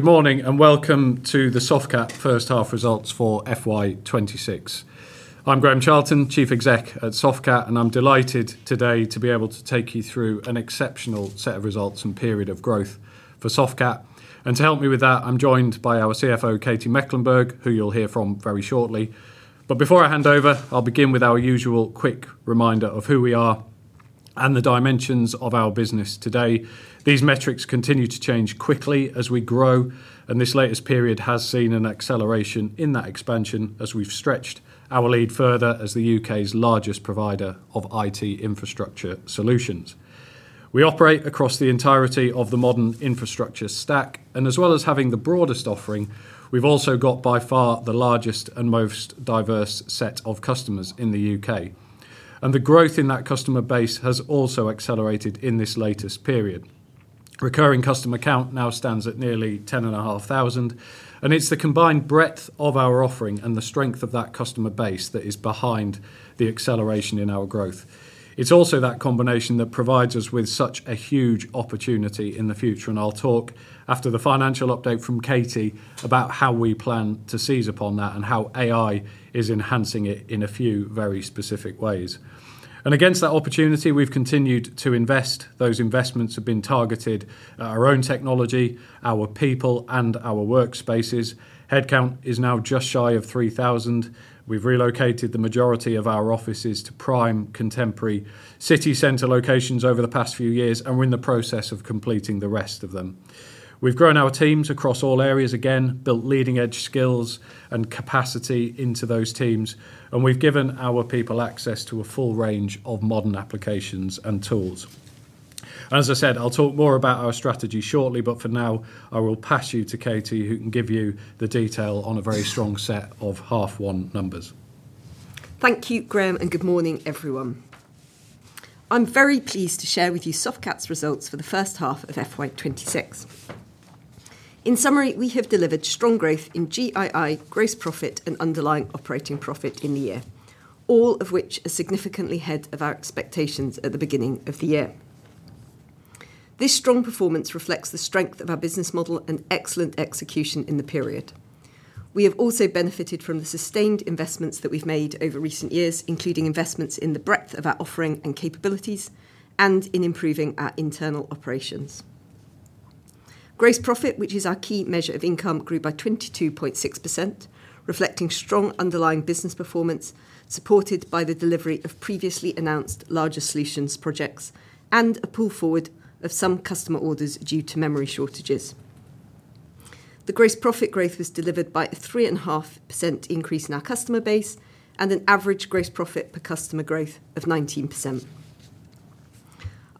Good morning, and welcome to the Softcat first half results for FY26. I'm Graham Charlton, Chief Exec at Softcat, and I'm delighted today to be able to take you through an exceptional set of results and period of growth for Softcat. To help me with that, I'm joined by our CFO, Katy Mecklenburgh, who you'll hear from very shortly. Before I hand over, I'll begin with our usual quick reminder of who we are and the dimensions of our business today. These metrics continue to change quickly as we grow, and this latest period has seen an acceleration in that expansion as we've stretched our lead further as the UK's largest provider of IT infrastructure solutions. We operate across the entirety of the modern infrastructure stack, and as well as having the broadest offering, we've also got by far the largest and most diverse set of customers in the UK. The growth in that customer base has also accelerated in this latest period. Recurring customer count now stands at nearly 10,500, and it's the combined breadth of our offering and the strength of that customer base that is behind the acceleration in our growth. It's also that combination that provides us with such a huge opportunity in the future, and I'll talk after the financial update from Katy about how we plan to seize upon that and how AI is enhancing it in a few very specific ways. Against that opportunity, we've continued to invest. Those investments have been targeted at our own technology, our people and our workspaces. Headcount is now just shy of 3,000. We've relocated the majority of our offices to prime contemporary city center locations over the past few years, and we're in the process of completing the rest of them. We've grown our teams across all areas again, built leading-edge skills and capacity into those teams, and we've given our people access to a full range of modern applications and tools. As I said, I'll talk more about our strategy shortly, but for now, I will pass you to Katy, who can give you the detail on a very strong set of half one numbers. Thank you, Graham, and Good morning, Everyone. I'm very pleased to share with you Softcat's results for the first half of FY 26. In summary, we have delivered strong growth in GII, gross profit, and underlying operating profit in the year, all of which are significantly ahead of our expectations at the beginning of the year. This strong performance reflects the strength of our business model and excellent execution in the period. We have also benefited from the sustained investments that we've made over recent years, including investments in the breadth of our offering and capabilities and in improving our internal operations. Gross profit, which is our key measure of income, grew by 22.6%, reflecting strong underlying business performance, supported by the delivery of previously announced larger solutions projects and a pull forward of some customer orders due to memory shortages. The gross profit growth was delivered by a 3.5% increase in our customer base and an average gross profit per customer growth of 19%.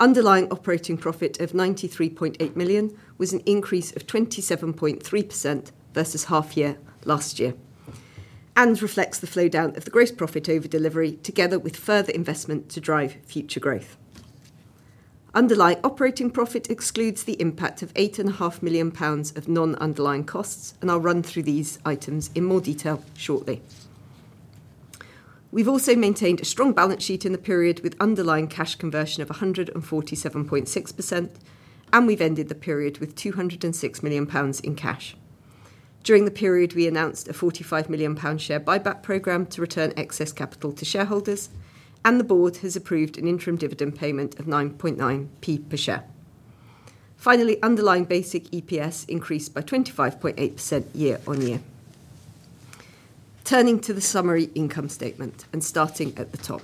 Underlying operating profit of 93.8 million was an increase of 27.3% versus half year last year and reflects the flow down of the gross profit over delivery together with further investment to drive future growth. Underlying operating profit excludes the impact of 8.5 million pounds of non-underlying costs, and I'll run through these items in more detail shortly. We've also maintained a strong balance sheet in the period with underlying cash conversion of 147.6%, and we've ended the period with 206 million pounds in cash. During the period, we announced a 45 million pound share buyback program to return excess capital to shareholders, and the board has approved an interim dividend payment of 9.9p per share. Finally, underlying basic EPS increased by 25.8% year-over-year. Turning to the summary income statement and starting at the top.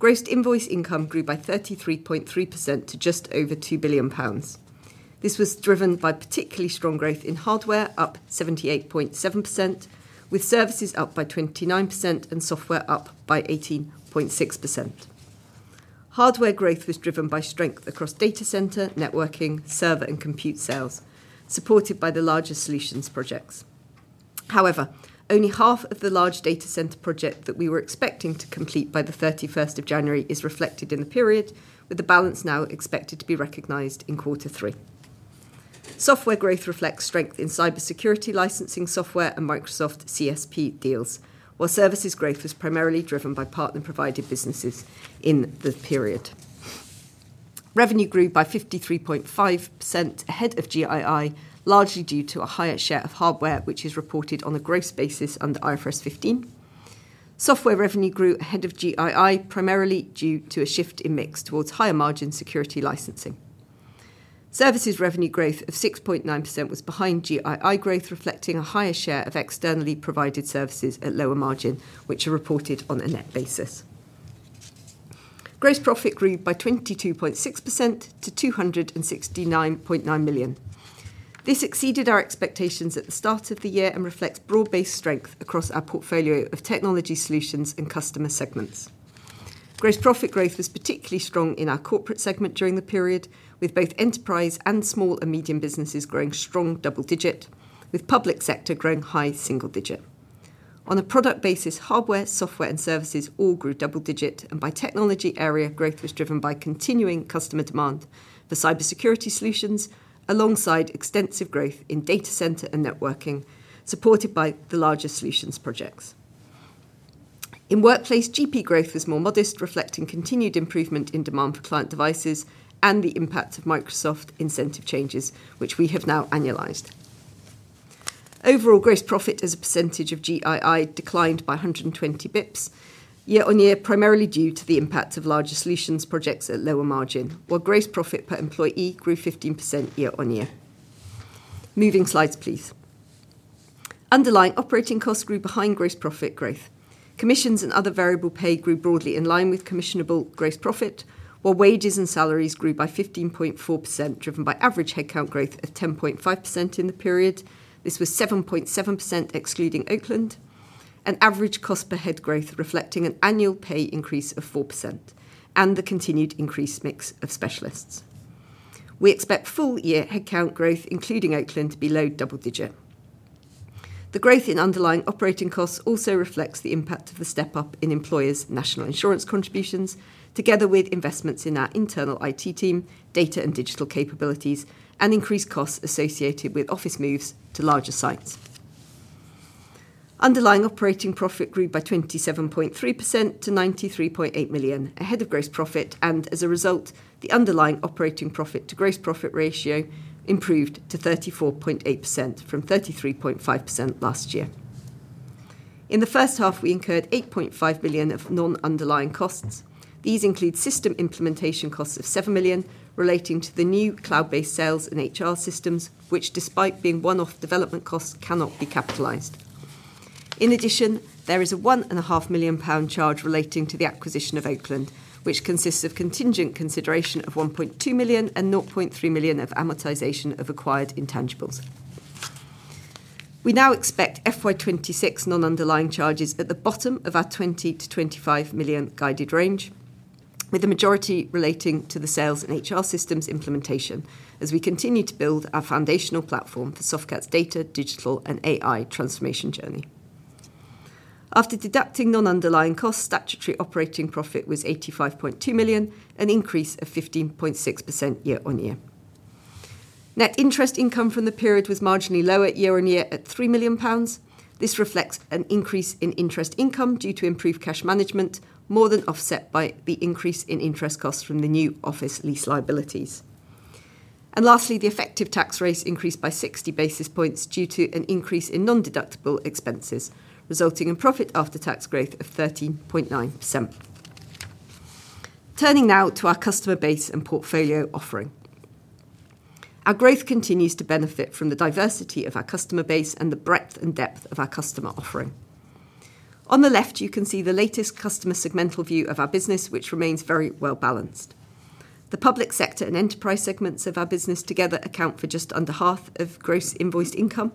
Grossed invoice income grew by 33.3% to just over 2 billion pounds. This was driven by particularly strong growth in hardware, up 78.7%, with services up by 29% and software up by 18.6%. Hardware growth was driven by strength across data center, networking, server, and compute sales, supported by the larger solutions projects. However, only half of the large data center project that we were expecting to complete by January 31 is reflected in the period, with the balance now expected to be recognized in quarter three. Software growth reflects strength in cybersecurity licensing software and Microsoft CSP deals, while services growth was primarily driven by partner-provided businesses in the period. Revenue grew by 53.5% ahead of GII, largely due to a higher share of hardware, which is reported on a gross basis under IFRS 15. Software revenue grew ahead of GII, primarily due to a shift in mix towards higher margin security licensing. Services revenue growth of 6.9% was behind GII growth, reflecting a higher share of externally provided services at lower margin, which are reported on a net basis. Gross profit grew by 22.6% to 269.9 million. This exceeded our expectations at the start of the year and reflects broad-based strength across our portfolio of technology solutions and customer segments. Gross profit growth was particularly strong in our corporate segment during the period, with both enterprise and small and medium businesses growing strong double digit, with public sector growing high single digit. On a product basis, hardware, software, and services all grew double digit, and by technology area, growth was driven by continuing customer demand for cybersecurity solutions alongside extensive growth in data center and networking, supported by the larger solutions projects. In workplace, GP growth was more modest, reflecting continued improvement in demand for client devices and the impact of Microsoft incentive changes, which we have now annualized. Overall gross profit as a percentage of GII declined by 120 basis points year-on-year, primarily due to the impacts of larger solutions projects at lower margin. Gross profit per employee grew 15% year-on-year. Moving slides, please. Underlying operating costs grew behind gross profit growth. Commissions and other variable pay grew broadly in line with commissionable gross profit, while wages and salaries grew by 15.4%, driven by average headcount growth of 10.5% in the period. This was 7.7% excluding Oakland. An average cost per head growth reflecting an annual pay increase of 4% and the continued increased mix of specialists. We expect full-year headcount growth, including Oakland, to be low double-digit. The growth in underlying operating costs also reflects the impact of the step up in employers national insurance contributions, together with investments in our internal IT team, data and digital capabilities, and increased costs associated with office moves to larger sites. Underlying operating profit grew by 27.3% to 93.8 million ahead of gross profit. As a result, the underlying operating profit to gross profit ratio improved to 34.8% from 33.5% last year. In the first half, we incurred 8.5 million of non-underlying costs. These include system implementation costs of 7 million relating to the new cloud-based sales and HR systems, which despite being one-off development costs, cannot be capitalized. In addition, there is a 1.5 million pound charge relating to the acquisition of Oakland, which consists of contingent consideration of 1.2 million and 0.3 million of amortization of acquired intangibles. We now expect FY26 non-underlying charges at the bottom of our 20-25 million guided range, with the majority relating to the sales and HR systems implementation as we continue to build our foundational platform for Softcat's data, digital and AI transformation journey. After deducting non-underlying costs, statutory operating profit was 85.2 million, an increase of 15.6% year-on-year. Net interest income from the period was marginally lower year-on-year at 3 million pounds. This reflects an increase in interest income due to improved cash management, more than offset by the increase in interest costs from the new office lease liabilities. Lastly, the effective tax rates increased by 60 basis points due to an increase in non-deductible expenses, resulting in profit after tax growth of 13.9%. Turning now to our customer base and portfolio offering. Our growth continues to benefit from the diversity of our customer base and the breadth and depth of our customer offering. On the left, you can see the latest customer segmental view of our business, which remains very well balanced. The public sector and enterprise segments of our business together account for just under half of gross invoiced income,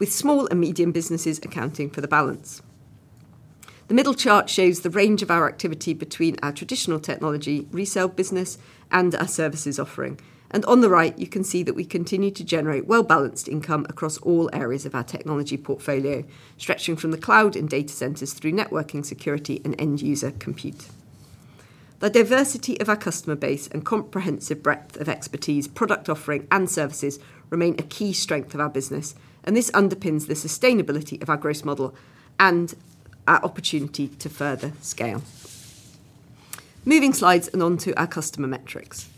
with small and medium businesses accounting for the balance. The middle chart shows the range of our activity between our traditional technology resale business and our services offering. On the right, you can see that we continue to generate well-balanced income across all areas of our technology portfolio, stretching from the cloud and data centers through networking, security and end user compute. The diversity of our customer base and comprehensive breadth of expertise, product offering and services remain a key strength of our business, and this underpins the sustainability of our growth model and our opportunity to further scale. Moving slides and on to our customer metrics.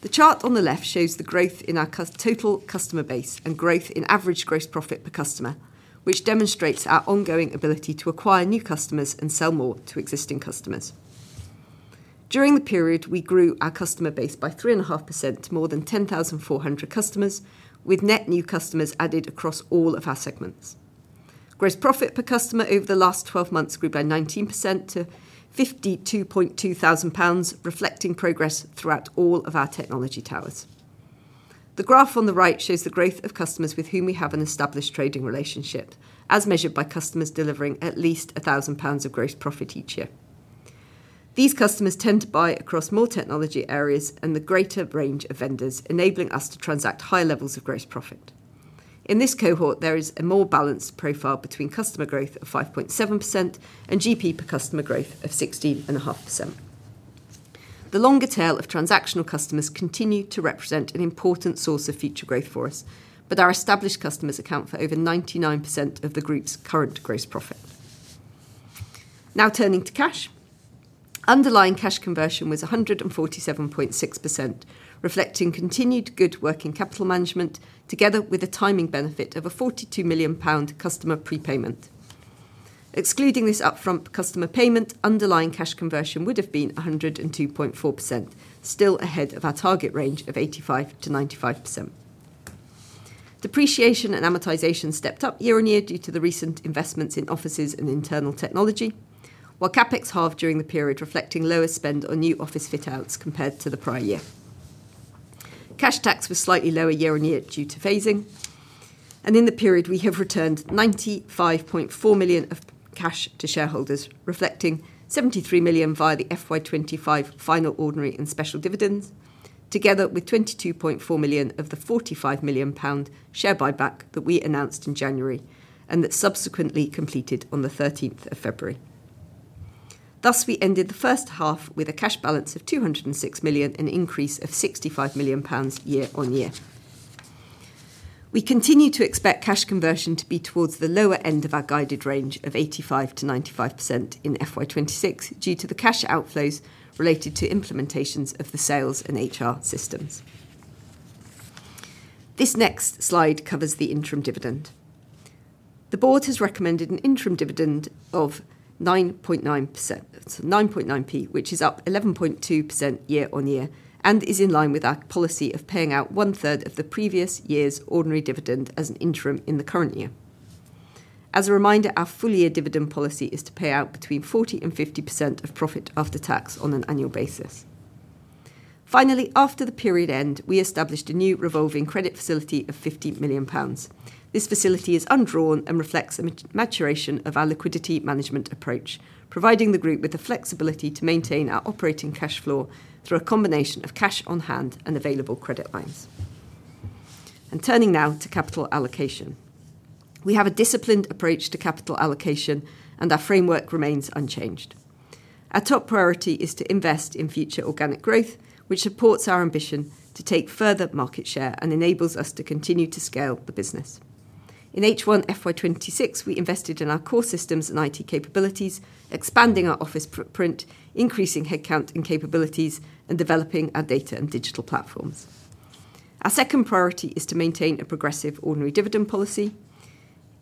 The chart on the left shows the growth in our customer base and growth in average gross profit per customer, which demonstrates our ongoing ability to acquire new customers and sell more to existing customers. During the period, we grew our customer base by 3.5% to more than 10,400 customers, with net new customers added across all of our segments. Gross profit per customer over the last 12 months grew by 19% to 52.2 thousand pounds, reflecting progress throughout all of our technology towers. The graph on the right shows the growth of customers with whom we have an established trading relationship, as measured by customers delivering at least 1 thousand pounds of gross profit each year. These customers tend to buy across more technology areas and the greater range of vendors, enabling us to transact higher levels of gross profit. In this cohort, there is a more balanced profile between customer growth of 5.7% and GP per customer growth of 16.5%. The longer tail of transactional customers continue to represent an important source of future growth for us, but our established customers account for over 99% of the group's current gross profit. Now turning to cash. Underlying cash conversion was 147.6%, reflecting continued good working capital management together with a timing benefit of a 42 million pound customer prepayment. Excluding this upfront customer payment, underlying cash conversion would have been 102.4%, still ahead of our target range of 85%-95%. Depreciation and amortization stepped up year-on-year due to the recent investments in offices and internal technology. While CapEx halved during the period reflecting lower spend on new office fit outs compared to the prior year. Cash tax was slightly lower year-on-year due to phasing. In the period, we have returned 95.4 million of cash to shareholders, reflecting 73 million via the FY25 final ordinary and special dividends, together with 22.4 million of the 45 million pound share buyback that we announced in January and that subsequently completed on the 13th of February. Thus, we ended the first half with a cash balance of 206 million, an increase of 65 million pounds year on year. We continue to expect cash conversion to be towards the lower end of our guided range of 85%-95% in FY26 due to the cash outflows related to implementations of the sales and HR systems. This next slide covers the interim dividend. The board has recommended an interim dividend of 9.9%—9.9p, which is up 11.2% year-on-year and is in line with our policy of paying out one-third of the previous year's ordinary dividend as an interim in the current year. As a reminder, our full year dividend policy is to pay out between 40% and 50% of profit after tax on an annual basis. Finally, after the period end, we established a new revolving credit facility of 50 million pounds. This facility is undrawn and reflects a maturation of our liquidity management approach, providing the group with the flexibility to maintain our operating cash flow through a combination of cash on hand and available credit lines. Turning now to capital allocation. We have a disciplined approach to capital allocation and our framework remains unchanged. Our top priority is to invest in future organic growth, which supports our ambition to take further market share and enables us to continue to scale the business. In H1 FY26, we invested in our core systems and IT capabilities, expanding our office print, increasing headcount and capabilities, and developing our data and digital platforms. Our second priority is to maintain a progressive ordinary dividend policy.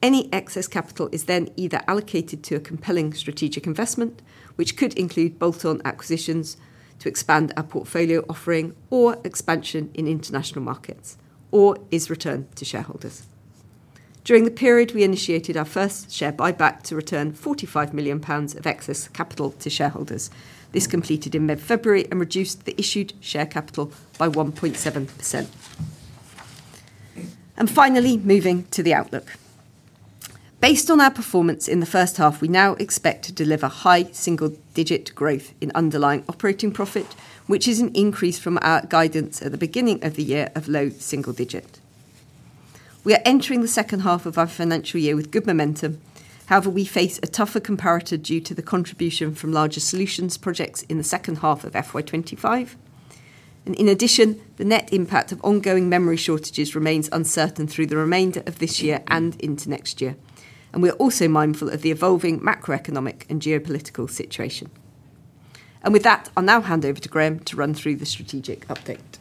Any excess capital is then either allocated to a compelling strategic investment, which could include bolt-on acquisitions to expand our portfolio offering or expansion in international markets, or is returned to shareholders. During the period, we initiated our first share buyback to return 45 million pounds of excess capital to shareholders. This completed in mid-February and reduced the issued share capital by 1.7%. Finally, moving to the outlook. Based on our performance in the first half, we now expect to deliver high single digit growth in underlying operating profit, which is an increase from our guidance at the beginning of the year of low single digit. We are entering the second half of our financial year with Good momentum. However, we face a tougher comparator due to the contribution from larger solutions projects in the second half of FY 2025. In addition, the net impact of ongoing memory shortages remains uncertain through the remainder of this year and into next year. We are also mindful of the evolving macroeconomic and geopolitical situation. With that, I'll now hand over to Graham to run through the strategic update.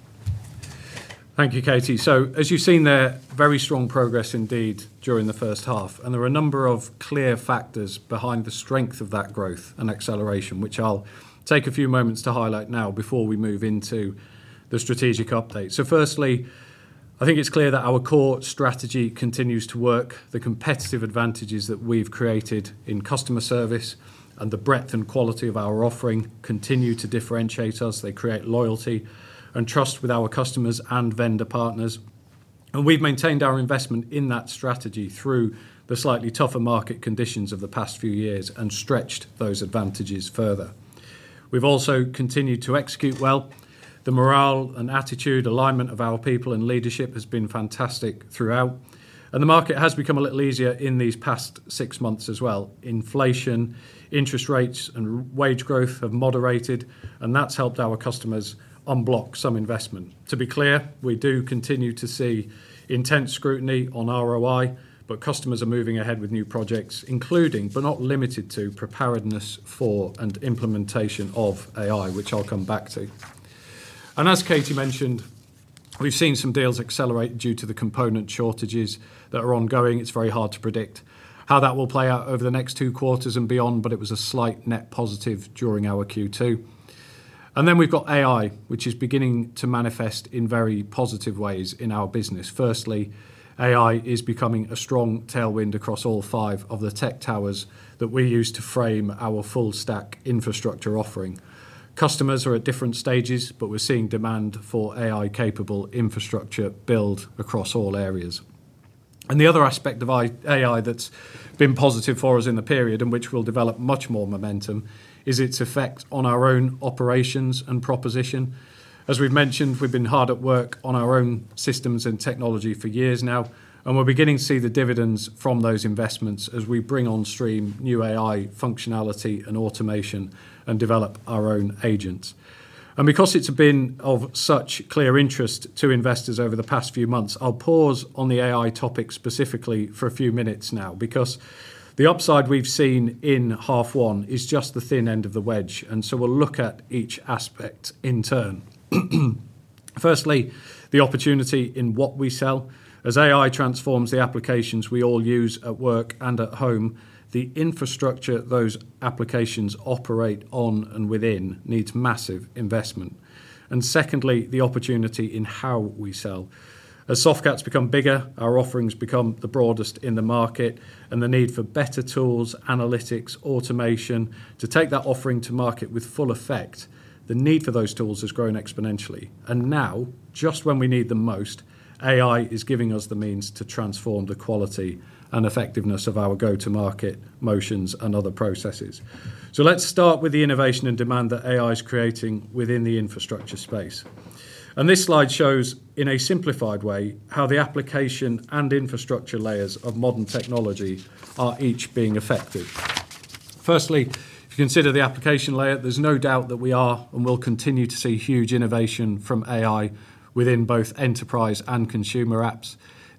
Thank you, Katy. As you've seen there, very strong progress indeed during the first half, and there are a number of clear factors behind the strength of that growth and acceleration, which I'll take a few moments to highlight now before we move into the strategic update. Firstly, I think it's clear that our core strategy continues to work. The competitive advantages that we've created in customer service and the breadth and quality of our offering continue to differentiate us. They create loyalty and trust with our customers and vendor partners, and we've maintained our investment in that strategy through the slightly tougher market conditions of the past few years and stretched those advantages further. We've also continued to execute well. The morale and attitude alignment of our people and leadership has been fantastic throughout, and the market has become a little easier in these past six months as well. Inflation, interest rates, and real-wage growth have moderated, and that's helped our customers unblock some investment. To be clear, we do continue to see intense scrutiny on ROI, but customers are moving ahead with new projects, including, but not limited to preparedness for and implementation of AI, which I'll come back to. As Katy mentioned, we've seen some deals accelerate due to the component shortages that are ongoing. It's very hard to predict how that will play out over the next two quarters and beyond, but it was a slight net positive during our Q2. Then we've got AI, which is beginning to manifest in very positive ways in our business. First, AI is becoming a strong tailwind across all five of the tech towers that we use to frame our full stack infrastructure offering. Customers are at different stages, but we're seeing demand for AI capable infrastructure build across all areas. The other aspect of AI that's been positive for us in the period in which we'll develop much more momentum is its effect on our own operations and proposition. As we've mentioned, we've been hard at work on our own systems and technology for years now, and we're beginning to see the dividends from those investments as we bring on stream new AI functionality and automation and develop our own agents. Because it's been of such clear interest to investors over the past few months, I'll pause on the AI topic specifically for a few minutes now because the upside we've seen in half one is just the thin end of the wedge, and so we'll look at each aspect in turn. Firstly, the opportunity in what we sell. As AI transforms the applications we all use at work and at home, the infrastructure those applications operate on and within needs massive investment. Second, the opportunity in how we sell. As Softcat's become bigger, our offerings become the broadest in the market and the need for better tools, analytics, automation to take that offering to market with full effect, the need for those tools has grown exponentially. Now, just when we need them most, AI is giving us the means to transform the quality and effectiveness of our go-to-market motions and other processes. Let's start with the innovation and demand that AI is creating within the infrastructure space. This slide shows, in a simplified way, how the application and infrastructure layers of modern technology are each being affected. First, if you consider the application layer, there's no doubt that we are and will continue to see huge innovation from AI within both enterprise and consumer apps.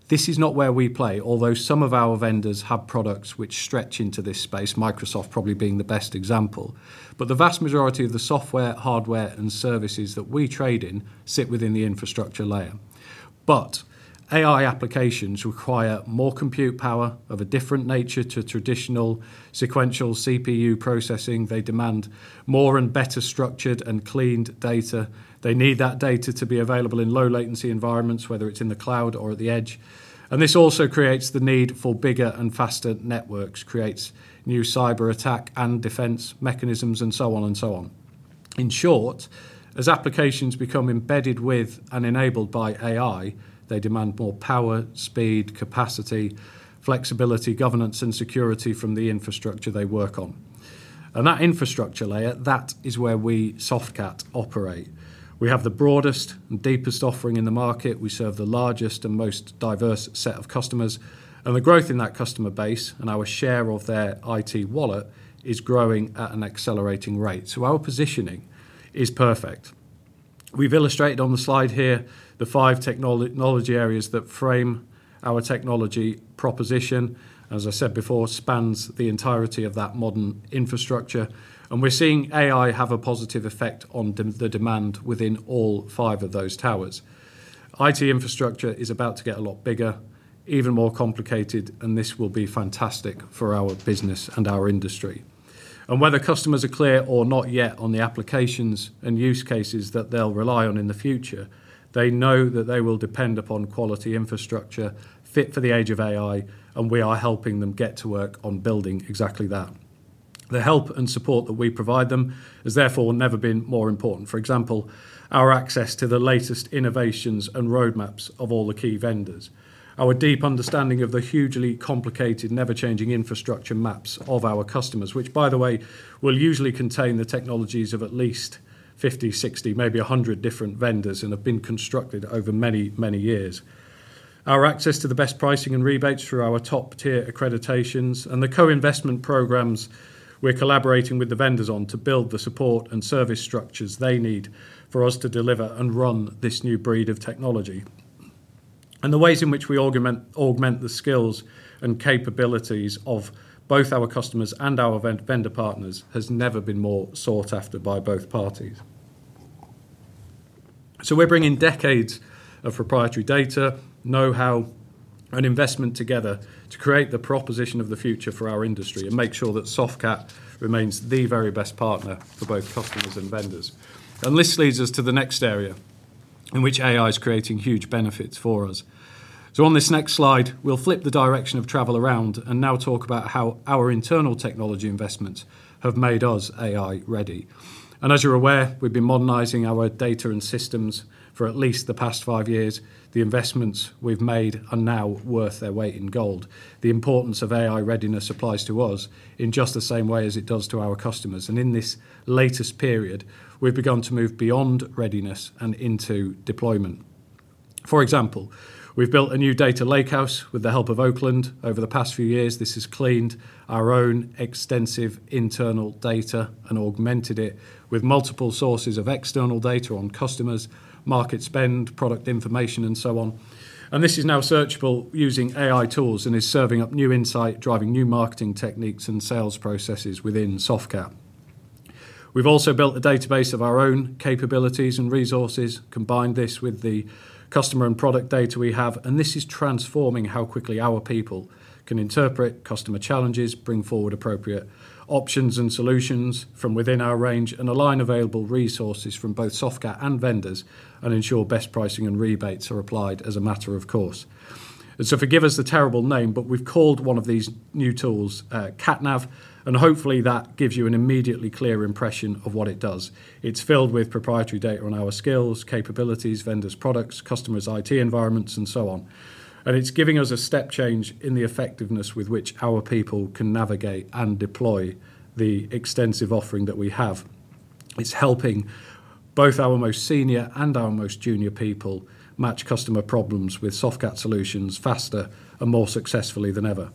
This is not where we play, although some of our vendors have products which stretch into this space, Microsoft probably being the best example. The vast majority of the software, hardware, and services that we trade in sit within the infrastructure layer. AI applications require more compute power of a different nature to traditional sequential CPU processing. They demand more and better structured and cleaned data. They need that data to be available in low latency environments, whether it's in the cloud or at the edge. This also creates the need for bigger and faster networks, creates new cyberattack and defense mechanisms, In short, as applications become embedded with and enabled by AI, they demand more power, speed, capacity, flexibility, governance and security from the infrastructure they work on. That infrastructure layer, that is where we, Softcat, operate. We have the broadest and deepest offering in the market. We serve the largest and most diverse set of customers. The growth in that customer base and our share of their IT wallet is growing at an accelerating rate. Our positioning is perfect. We've illustrated on the slide here the five technology areas that frame our technology proposition. As I said before, spans the entirety of that modern infrastructure, and we're seeing AI have a positive effect on the demand within all five of those towers. IT infrastructure is about to get a lot bigger, even more complicated, and this will be fantastic for our business and our industry. Whether customers are clear or not yet on the applications and use cases that they'll rely on in the future, they know that they will depend upon quality infrastructure fit for the age of AI, and we are helping them get to work on building exactly that. The help and support that we provide them has therefore never been more important. For example, our access to the latest innovations and roadmaps of all the key vendors. Our deep understanding of the hugely complicated, ever-changing infrastructure maps of our customers, which, by the way, will usually contain the technologies of at least 50, 60, maybe 100 different vendors and have been constructed over many years. Our access to the best pricing and rebates through our top-tier accreditations and the co-investment programs we're collaborating with the vendors on to build the support and service structures they need for us to deliver and run this new breed of technology. The ways in which we augment the skills and capabilities of both our customers and our vendor partners has never been more sought after by both parties. We're bringing decades of proprietary data, and investment together to create the proposition of the future for our industry and make sure that Softcat remains the very best partner for both customers and vendors. This leads us to the next area in which AI is creating huge benefits for us. On this next slide, we'll flip the direction of travel around and now talk about how our internal technology investments have made us AI-ready. As you're aware, we've been modernizing our data and systems for at least the past five years. The investments we've made are now worth their weight in gold. The importance of AI readiness applies to us in just the same way as it does to our customers. In this latest period, we've begun to move beyond readiness and into deployment. For example, we've built a new data lakehouse with the help of Oakland over the past few years. This has cleaned our own extensive internal data and augmented it with multiple sources of external data on customers, market spend, product information. This is now searchable using AI tools and is serving up new insight, driving new marketing techniques and sales processes within Softcat. We've also built a database of our own capabilities and resources. Combined this with the customer and product data we have, and this is transforming how quickly our people can interpret customer challenges, bring forward appropriate options and solutions from within our range, and align available resources from both Softcat and vendors and ensure best pricing and rebates are applied as a matter of course. Forgive us the terrible name, but we've called one of these new tools, CatNav, and hopefully that gives you an immediately clear impression of what it does. It's filled with proprietary data on our skills, capabilities, vendors' products, customers' IT environments. It's giving us a step change in the effectiveness with which our people can navigate and deploy the extensive offering that we have. It's helping both our most senior and our most junior people match customer problems with Softcat solutions faster and more successfully than ever.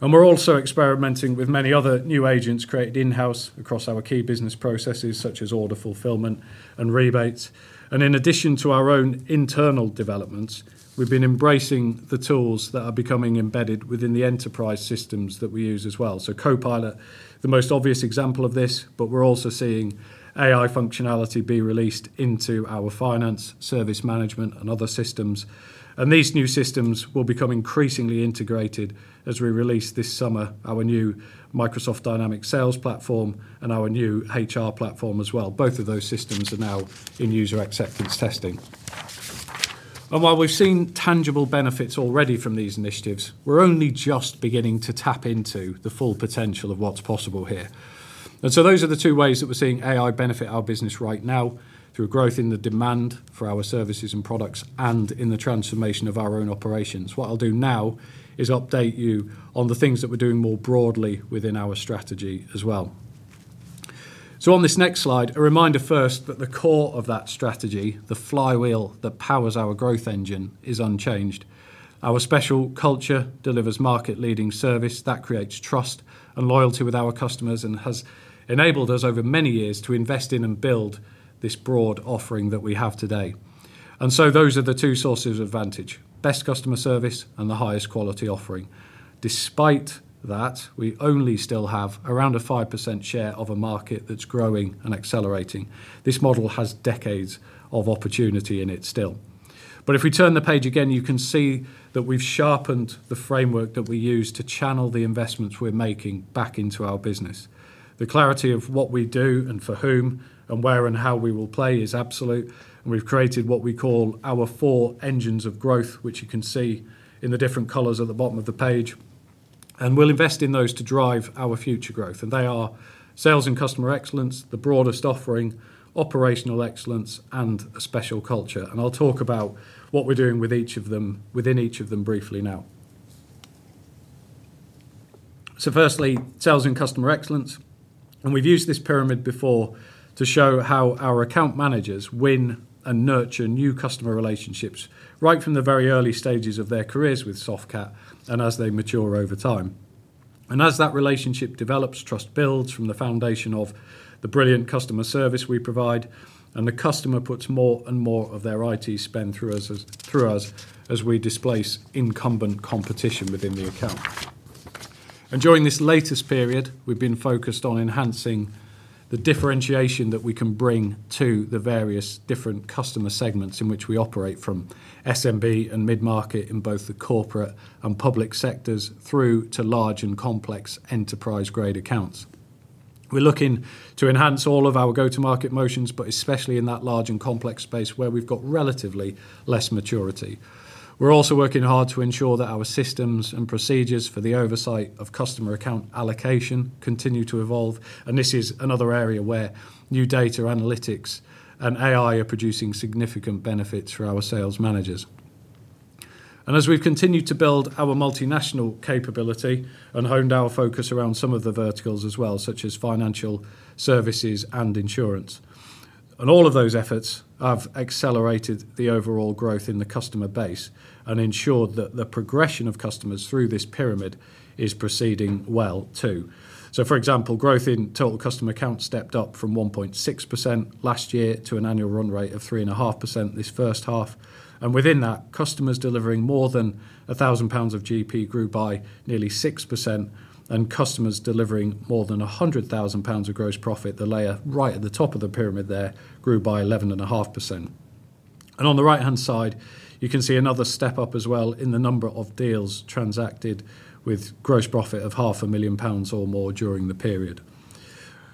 We're also experimenting with many other new agents created in-house across our key business processes, such as order fulfillment and rebates. In addition to our own internal developments, we've been embracing the tools that are becoming embedded within the enterprise systems that we use as well. Copilot, the most obvious example of this, but we're also seeing AI functionality be released into our finance service management and other systems. These new systems will become increasingly integrated as we release this summer our new Microsoft Dynamics 365 Sales platform and our new HR platform as well. Both of those systems are now in user acceptance testing. While we've seen tangible benefits already from these initiatives, we're only just beginning to tap into the full potential of what's possible here. Those are the two ways that we're seeing AI benefit our business right now through growth in the demand for our services and products and in the transformation of our own operations. What I'll do now is update you on the things that we're doing more broadly within our strategy as well. On this next slide, a reminder first that the core of that strategy, the flywheel that powers our growth engine, is unchanged. Our special culture delivers market-leading service that creates trust and loyalty with our customers and has enabled us over many years to invest in and build this broad offering that we have today. Those are the two sources of advantage: best customer service and the highest quality offering. Despite that, we only still have around a 5% share of a market that's growing and accelerating. This model has decades of opportunity in it still. If we turn the page again, you can see that we've sharpened the framework that we use to channel the investments we're making back into our business. The clarity of what we do and for whom and where and how we will play is absolute, and we've created what we call our four engines of growth, which you can see in the different colors at the bottom of the page. We'll invest in those to drive our future growth. They are sales and customer excellence, the broadest offering, operational excellence, and a special culture. I'll talk about what we're doing with each of them, within each of them briefly now. Firstly, sales and customer excellence. We've used this pyramid before to show how our account managers win and nurture new customer relationships right from the very early stages of their careers with Softcat and as they mature over time. As that relationship develops, trust builds from the foundation of the brilliant customer service we provide, and the customer puts more and more of their IT spend through us as, through us as we displace incumbent competition within the account. During this latest period, we've been focused on enhancing the differentiation that we can bring to the various different customer segments in which we operate from SMB and mid-market in both the corporate and public sectors through to large and complex enterprise-grade accounts. We're looking to enhance all of our go-to-market motions, but especially in that large and complex space where we've got relatively less maturity. We're also working hard to ensure that our systems and procedures for the oversight of customer account allocation continue to evolve, and this is another area where new data analytics and AI are producing significant benefits for our sales managers. As we've continued to build our multinational capability and honed our focus around some of the verticals as well, such as financial services and insurance. All of those efforts have accelerated the overall growth in the customer base and ensured that the progression of customers through this pyramid is proceeding well too. For example, growth in total customer accounts stepped up from 1.6% last year to an annual run rate of 3.5% this first half. Within that, customers delivering more than 1,000 pounds of GP grew by nearly 6%, and customers delivering more than 100,000 pounds of gross profit, the layer right at the top of the pyramid there, grew by 11.5%. On the right-hand side, you can see another step-up as well in the number of deals transacted with gross profit of half a million GBP or more during the period.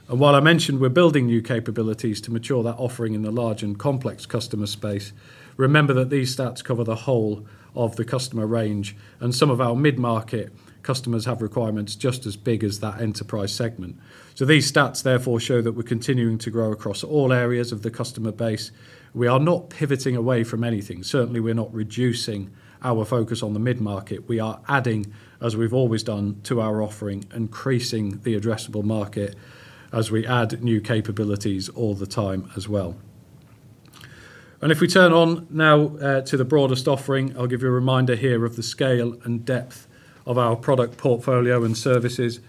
While I mentioned we're building new capabilities to mature that offering in the large and complex customer space, remember that these stats cover the whole of the customer range, and some of our mid-market customers have requirements just as big as that enterprise segment. These stats therefore show that we're continuing to grow across all areas of the customer base. We are not pivoting away from anything. Certainly, we're not reducing our focus on the mid-market. We are adding, as we've always done, to our offering, increasing the addressable market as we add new capabilities all the time as well. If we turn now to the broadest offering, I'll give you a reminder here of the scale and depth of our product portfolio and services.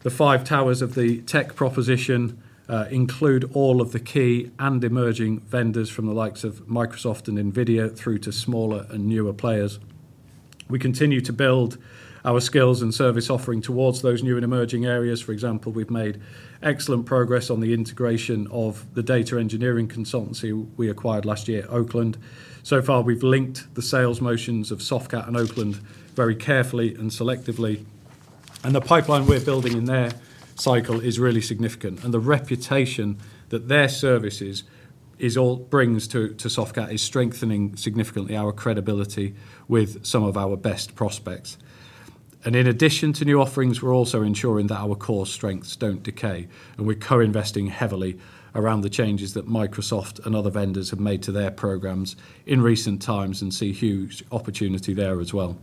The five towers of the tech proposition include all of the key and emerging vendors from the likes of Microsoft and Nvidia through to smaller and newer players. We continue to build our skills and service offering towards those new and emerging areas. For example, we've made excellent progress on the integration of the data engineering consultancy we acquired last year, Oakland. So far, we've linked the sales motions of Softcat and Oakland very carefully and selectively, and the pipeline we're building in their cycle is really significant. The reputation that their services brings to Softcat is strengthening significantly our credibility with some of our best prospects. In addition to new offerings, we're also ensuring that our core strengths don't decay, and we're co-investing heavily around the changes that Microsoft and other vendors have made to their programs in recent times and see huge opportunity there as well.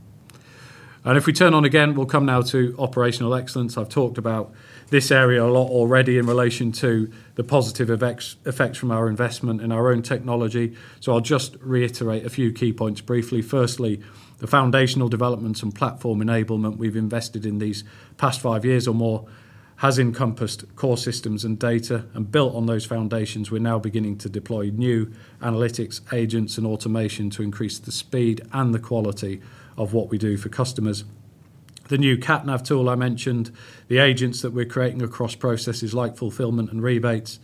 If we turn to again, we'll come now to operational excellence. I've talked about this area a lot already in relation to the positive effects from our investment in our own technology, so I'll just reiterate a few key points briefly. First, the foundational developments and platform enablement we've invested in these past five years or more has encompassed core systems and data, and built on those foundations, we're now beginning to deploy new analytics agents and automation to increase the speed and the quality of what we do for customers. The new CatNav tool I mentioned, the agents that we're creating across processes like fulfillment and rebates,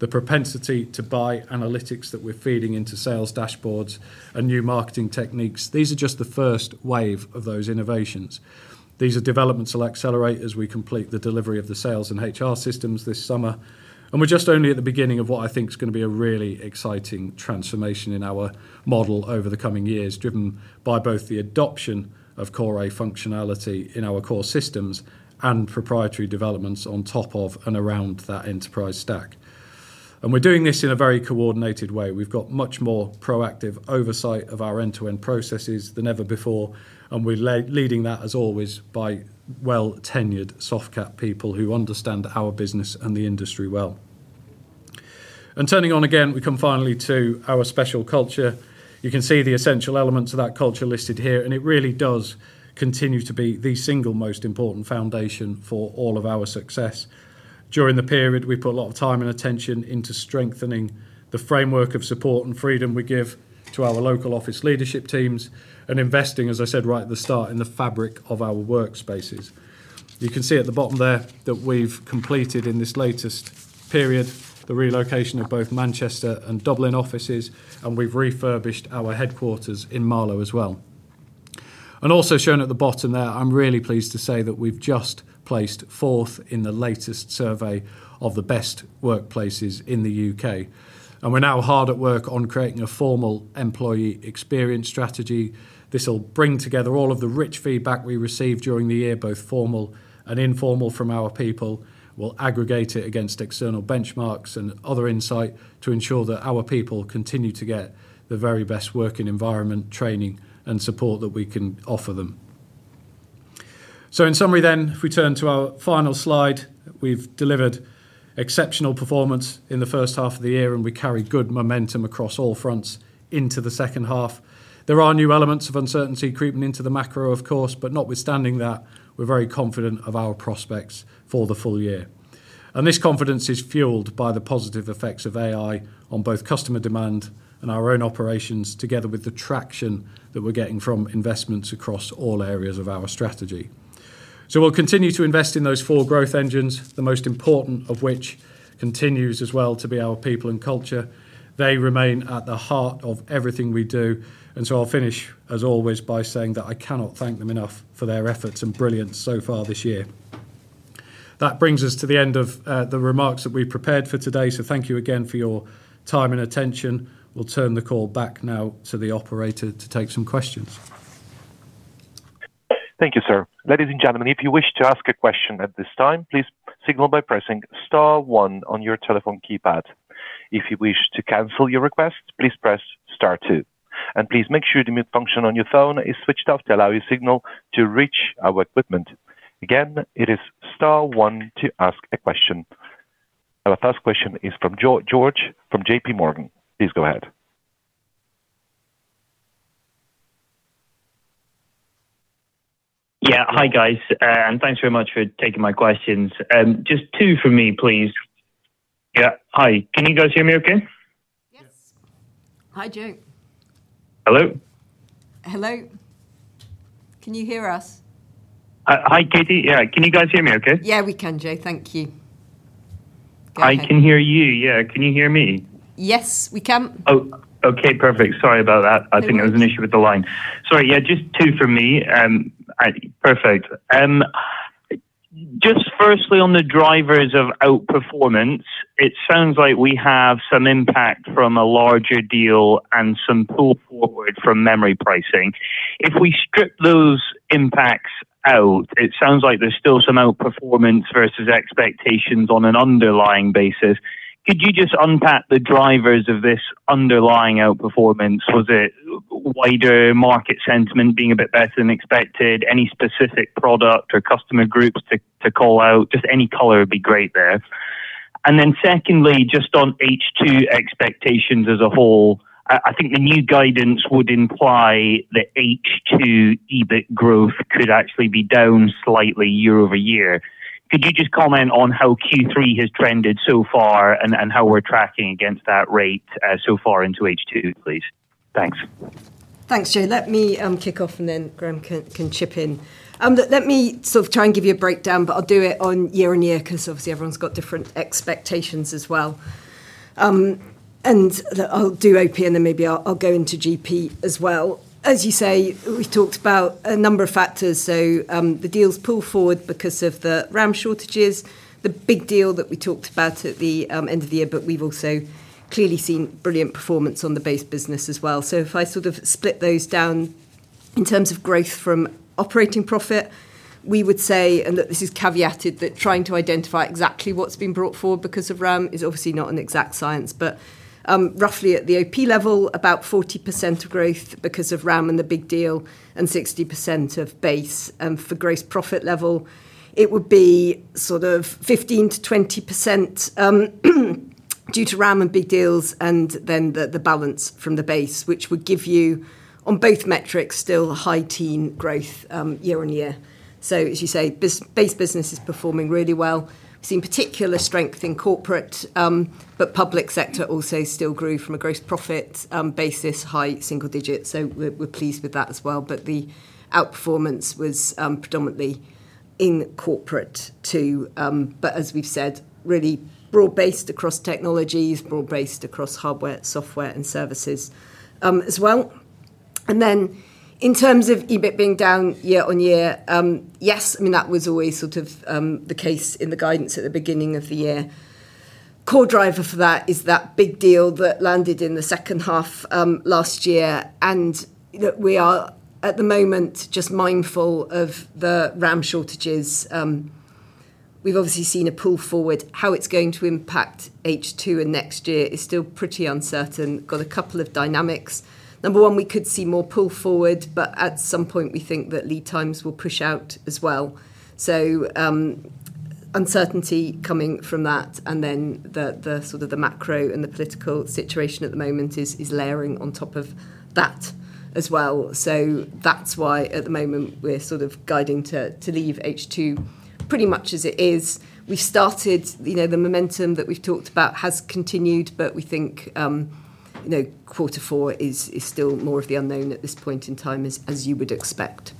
the propensity to buy analytics that we're feeding into sales dashboards and new marketing techniques, these are just the first wave of those innovations. These are developments that'll accelerate as we complete the delivery of the sales and HR systems this summer. We're just only at the beginning of what I think is gonna be a really exciting transformation in our model over the coming years, driven by both the adoption of Core AI functionality in our core systems and proprietary developments on top of and around that enterprise stack. We're doing this in a very coordinated way. We've got much more proactive oversight of our end-to-end processes than ever before, and we're leading that, as always, by well tenured Softcat people who understand our business and the industry well. Turning to again, we come finally to our special culture. You can see the essential elements of that culture listed here, and it really does continue to be the single most important foundation for all of our success. During the period, we put a lot of time and attention into strengthening the framework of support and freedom we give to our local office leadership teams and investing, as I said right at the start, in the fabric of our workspaces. You can see at the bottom there that we've completed in this latest period the relocation of both Manchester and Dublin offices, and we've refurbished our headquarters in Marlow as well. Also shown at the bottom there, I'm really pleased to say that we've just placed fourth in the latest survey of the best workplaces in the U.K., and we're now hard at work on creating a formal employee experience strategy. This will bring together all of the rich feedback we received during the year, both formal and informal from our people. We'll aggregate it against external benchmarks and other insight to ensure that our people continue to get the very best working environment, training, and support that we can offer them. In summary then, if we turn to our final slide, we've delivered exceptional performance in the first half of the year, and we carry good momentum across all fronts into the second half. There are new elements of uncertainty creeping into the macro, of course, but notwithstanding that, we're very confident of our prospects for the full year. This confidence is fueled by the positive effects of AI on both customer demand and our own operations, together with the traction that we're getting from investments across all areas of our strategy. We'll continue to invest in those four growth engines, the most important of which continues as well to be our people and culture. They remain at the heart of everything we do, and so I'll finish, as always, by saying that I cannot thank them enough for their efforts and brilliance so far this year. That brings us to the end of the remarks that we prepared for today, so thank you again for your time and attention. We'll turn the call back now to the operator to take some questions. Thank you, sir. Ladies and gentlemen, if you wish to ask a question at this time, please signal by pressing star one on your telephone keypad. If you wish to cancel your request, please press star two. Please make sure the mute function on your phone is switched off to allow your signal to reach our equipment. Again, it is star one to ask a question. The first question is from Joe George from J.P. Morgan. Please go ahead. Hi, guys, and thanks very much for taking my questions. Just two from me, please. Hi. Can you guys hear me okay? Yes. Hi, Joe. Hello? Hello. Can you hear us? Hi, Katie. Can you guys hear me okay? we can, Joe. Thank you. I can hear you, Can you hear me? Yes, we can. Oh, okay, perfect. Sorry about that. No worries. I think there was an issue with the line. Sorry. just two from me. Perfect. Just first, on the drivers of outperformance, it sounds like we have some impact from a larger deal and some pull forward from memory pricing. If we strip those impacts out, it sounds like there's still some outperformance versus expectations on an underlying basis. Could you just unpack the drivers of this underlying outperformance? Was it wider market sentiment being a bit better than expected? Any specific product or customer groups to call out? Just any color would be great there. Secondly, just on H2 expectations as a whole, I think the new guidance would imply that H2 EBIT growth could actually be down slightly year-over-year. Could you just comment on how Q3 has trended so far and how we're tracking against that rate so far into H2, please? Thanks. Thanks, Joe. Let me kick off, and then Graham can chip in. Let me sort of try and give you a breakdown, but I'll do it on year-on-year, 'cause obviously everyone's got different expectations as well. I'll do OP, and then maybe I'll go into GP as well. As you say, we talked about a number of factors. The deals pull forward because of the RAM shortages, the big deal that we talked about at the end of the year, but we've also clearly seen brilliant performance on the base business as well. If I sort of split those down in terms of growth from operating profit, we would say, and look, this is caveated, that trying to identify exactly what's been brought forward because of RAM is obviously not an exact science. Roughly at the OP level, about 40% of growth because of RAM and the big deal and 60% of base. For gross profit level it would be sort of 15%-20%, due to RAM and big deals and then the balance from the base, which would give you on both metrics still high-teens growth, year-on-year. As you say, base business is performing really well. We've seen particular strength in corporate, but public sector also still grew from a gross profit basis, high single digits, so we're pleased with that as well. The outperformance was predominantly in corporate too. As we've said, really broad-based across technologies, broad-based across hardware, software, and services, as well. Then in terms of EBIT being down year on year, yes, I mean, that was always sort of the case in the guidance at the beginning of the year. Core driver for that is that big deal that landed in the second half last year, and we are at the moment just mindful of the RAM shortages. We've obviously seen a pull forward. How it's going to impact H2 and next year is still pretty uncertain. Got a couple of dynamics. Number one, we could see more pull forward, but at some point we think that lead times will push out as well. So, uncertainty coming from that, The sort of the macro and the political situation at the moment is layering on top of that as well. That's why at the moment we're sort of guiding to leave H2 pretty much as it is. We've started, the momentum that we've talked about has continued, but we think, quarter four is still more of the unknown at this point in time as you would expect.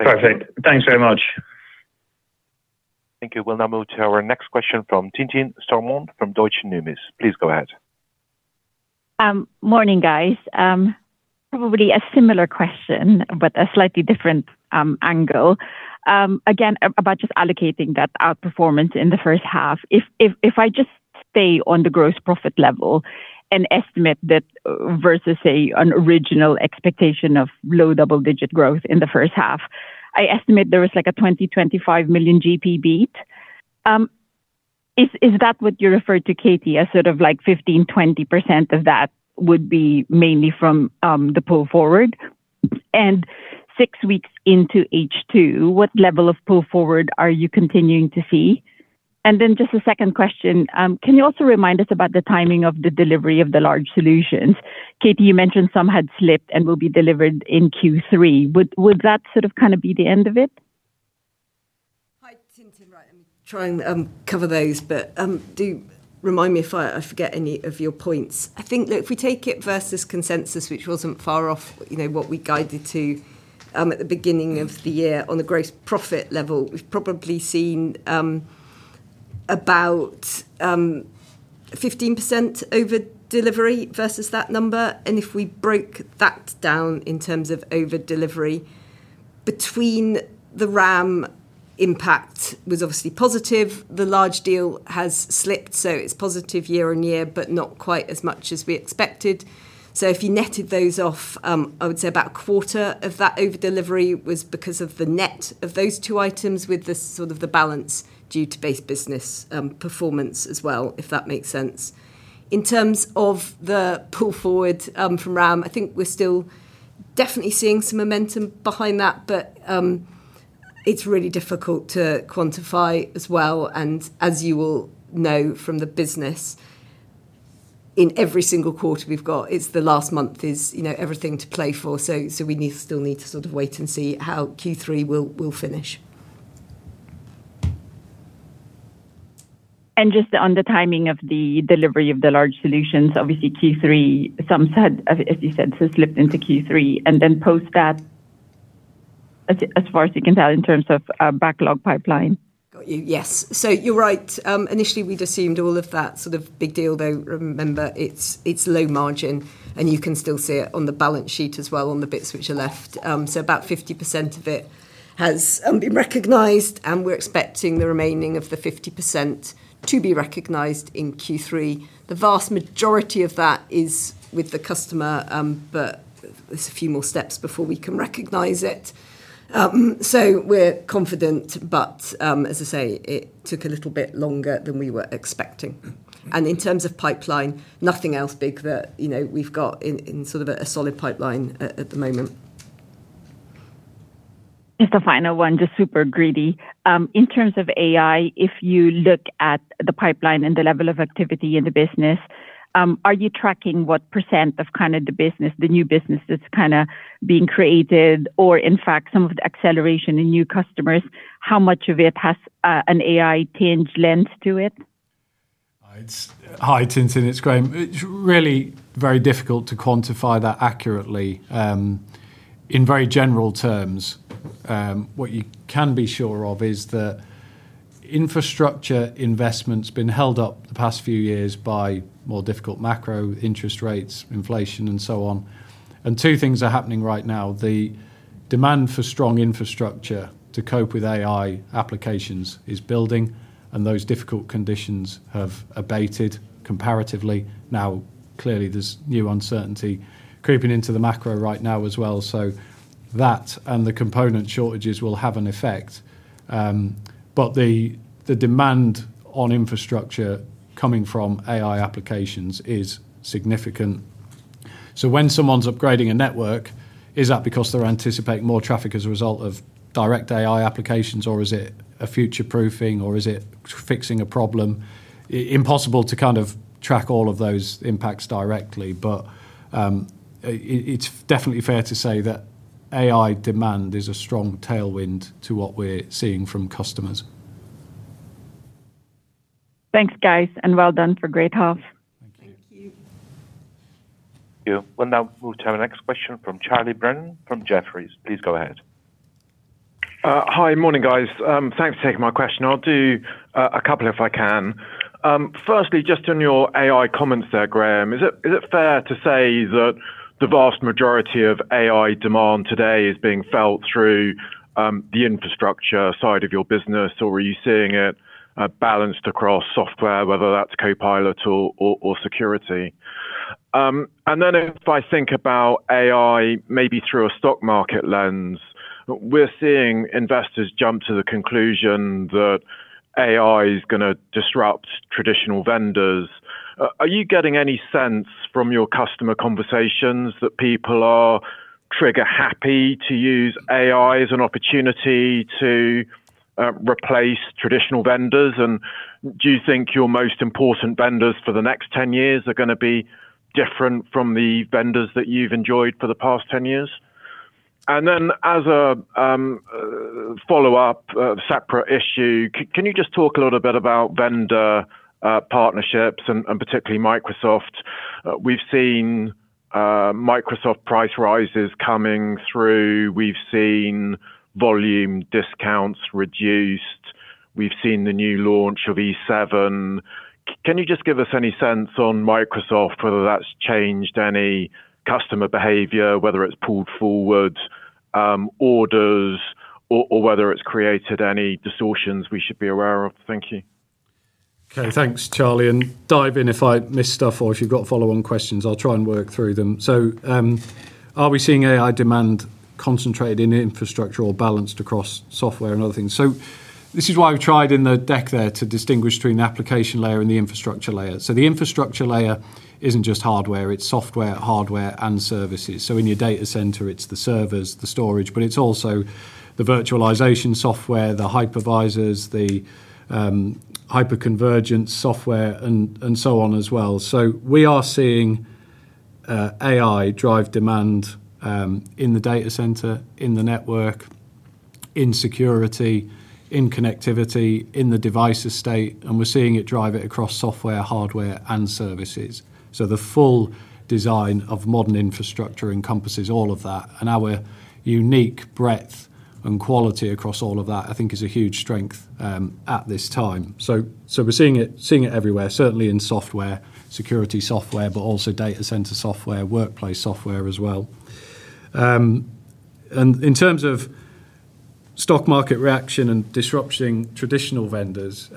Perfect. Thank you very much. We'll now move to our next question from Tintin Stormont from Deutsche Numis. Please go ahead. Morning guys. Probably a similar question, but a slightly different angle. Again, about just allocating that outperformance in the first half. If I just stay on the gross profit level and estimate that versus, say, an original expectation of low double digit growth in the first half, I estimate there was like a 25 million GP beat. Is that what you referred to Katie as sort of like 15%-20% of that would be mainly from the pull forward? Six weeks into H2, what level of pull forward are you continuing to see? Just a second question. Can you also remind us about the timing of the delivery of the large solutions? Katie, you mentioned some had slipped and will be delivered in Q3. Would that sort of kind of be the end of it? Hi, Tintin. Right. Let me try and cover those, but do remind me if I forget any of your points. That if we take it versus consensus, which wasn't far off, what we guided to at the beginning of the year on the gross profit level, we've probably seen about 15% over delivery versus that number. If we broke that down in terms of over delivery between the RAM impact was obviously positive. The large deal has slipped, so it's positive year-on-year, but not quite as much as we expected. If you netted those off, I would say about a quarter of that over delivery was because of the net of those two items with the sort of the balance due to base business performance as well, if that makes sense. In terms of the pull forward from RAM, We're still definitely seeing some momentum behind that, but it's really difficult to quantify as well. As you will know from the business, in every single quarter we've got, It’s the last month; everything is still to play for. We still need to sort of wait and see how Q3 will finish. Just on the timing of the delivery of the large solutions, obviously Q3, some had, as you said, sort of slipped into Q3 and then post that as far as you can tell in terms of backlog pipeline. Got you. Yes. You're right. Initially we'd assumed all of that sort of big deal, though, remember, it's low margin and you can still see it on the balance sheet as well on the bits which are left. About 50% of it has been recognized, and we're expecting the remaining 50% to be recognized in Q3. The vast majority of that is with the customer, but there's a few more steps before we can recognize it. We're confident, but as I say, it took a little bit longer than we were expecting. In terms of pipeline, nothing else big that, you know, we've got in sort of a solid pipeline at the moment. Just a final one, just super greedy. In terms of AI, if you look at the pipeline and the level of activity in the business, are you tracking what percent of kind of the business, the new business that's kinda being created, or in fact some of the acceleration in new customers, how much of it has an AI-tinged lens to it? Hi, Tintin, it's Graham. It's really very difficult to quantify that accurately. In very general terms, what you can be sure of is that infrastructure investment's been held up the past few years by more difficult macro interest rates, inflation, and so on. Two things are happening right now. The demand for strong infrastructure to cope with AI applications is building, and those difficult conditions have abated comparatively. Now, clearly, there's new uncertainty creeping into the macro right now as well. That and the component shortages will have an effect. The demand on infrastructure coming from AI applications is significant. When someone's upgrading a network, is that because they're anticipating more traffic as a result of direct AI applications, or is it a future proofing, or is it fixing a problem? It's impossible to kind of track all of those impacts directly, but it's definitely fair to say that AI demand is a strong tailwind to what we're seeing from customers. Thanks, guys, and well done for great half. Thank you. Thank you. Thank you. We'll now move to our next question from Charles Brennan from Jefferies. Please go ahead. Hi. Morning, guys. Thanks for taking my question. I'll do a couple if I can. First, just on your AI comments there, Graham, is it fair to say that the vast majority of AI demand today is being felt through the infrastructure side of your business, or are you seeing it balanced across software, whether that's Copilot or security? About AI, maybe through a stock market lens, we're seeing investors jump to the conclusion that AI is gonna disrupt traditional vendors. Are you getting any sense from your customer conversations that people are trigger-happy to use AI as an opportunity to replace traditional vendors? And do you think your most important vendors for the next 10 years are gonna be different from the vendors that you've enjoyed for the past 10 years? As a follow-up, separate issue, can you just talk a little bit about vendor partnerships and particularly Microsoft? We've seen Microsoft price rises coming through. We've seen volume discounts reduced. We've seen the new launch of E7. Can you just give us any sense on Microsoft, whether that's changed any customer behavior, whether it's pulled forward orders or whether it's created any distortions we should be aware of? Thank you. Okay. Thanks, Charlie. Dive in if I miss stuff or if you've got follow-on questions, I'll try and work through them. Are we seeing AI demand concentrated in infrastructure or balanced across software and other things? This is why we've tried in the deck there to distinguish between application layer and the infrastructure layer. The infrastructure layer isn't just hardware, it's software, hardware and services. In your data center, it's the servers, the storage, but it's also the virtualization software, the hypervisors, the hyperconverged software and so on as well. We are seeing AI drive demand in the data center, in the network, in security, in connectivity, in the device estate, and we're seeing it drive it across software, hardware and services. The full design of modern infrastructure encompasses all of that. Our unique breadth and quality across all of that, I think is a huge strength at this time. We're seeing it everywhere, certainly in software, security software, but also data center software, workplace software as well. In terms of stock market reaction and disrupting traditional vendors,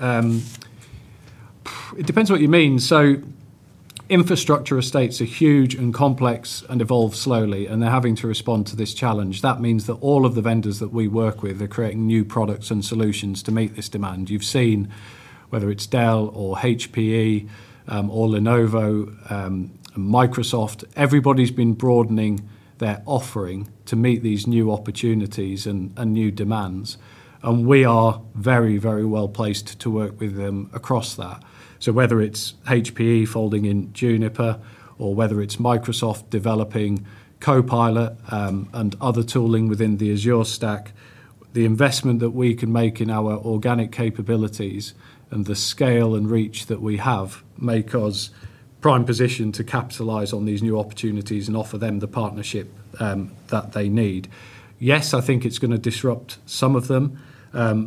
it depends what you mean. Infrastructure estates are huge and complex and evolve slowly, and they're having to respond to this challenge. That means that all of the vendors that we work with are creating new products and solutions to meet this demand. You've seen whether it's Dell or HPE or Lenovo or Microsoft, everybody's been broadening their offering to meet these new opportunities and new demands. We are very well placed to work with them across that. Whether it's HPE folding in Juniper or whether it's Microsoft developing Copilot and other tooling within the Azure stack, the investment that we can make in our organic capabilities and the scale and reach that we have make us prime position to capitalize on these new opportunities and offer them the partnership that they need. Yes, it's gonna disrupt some of them.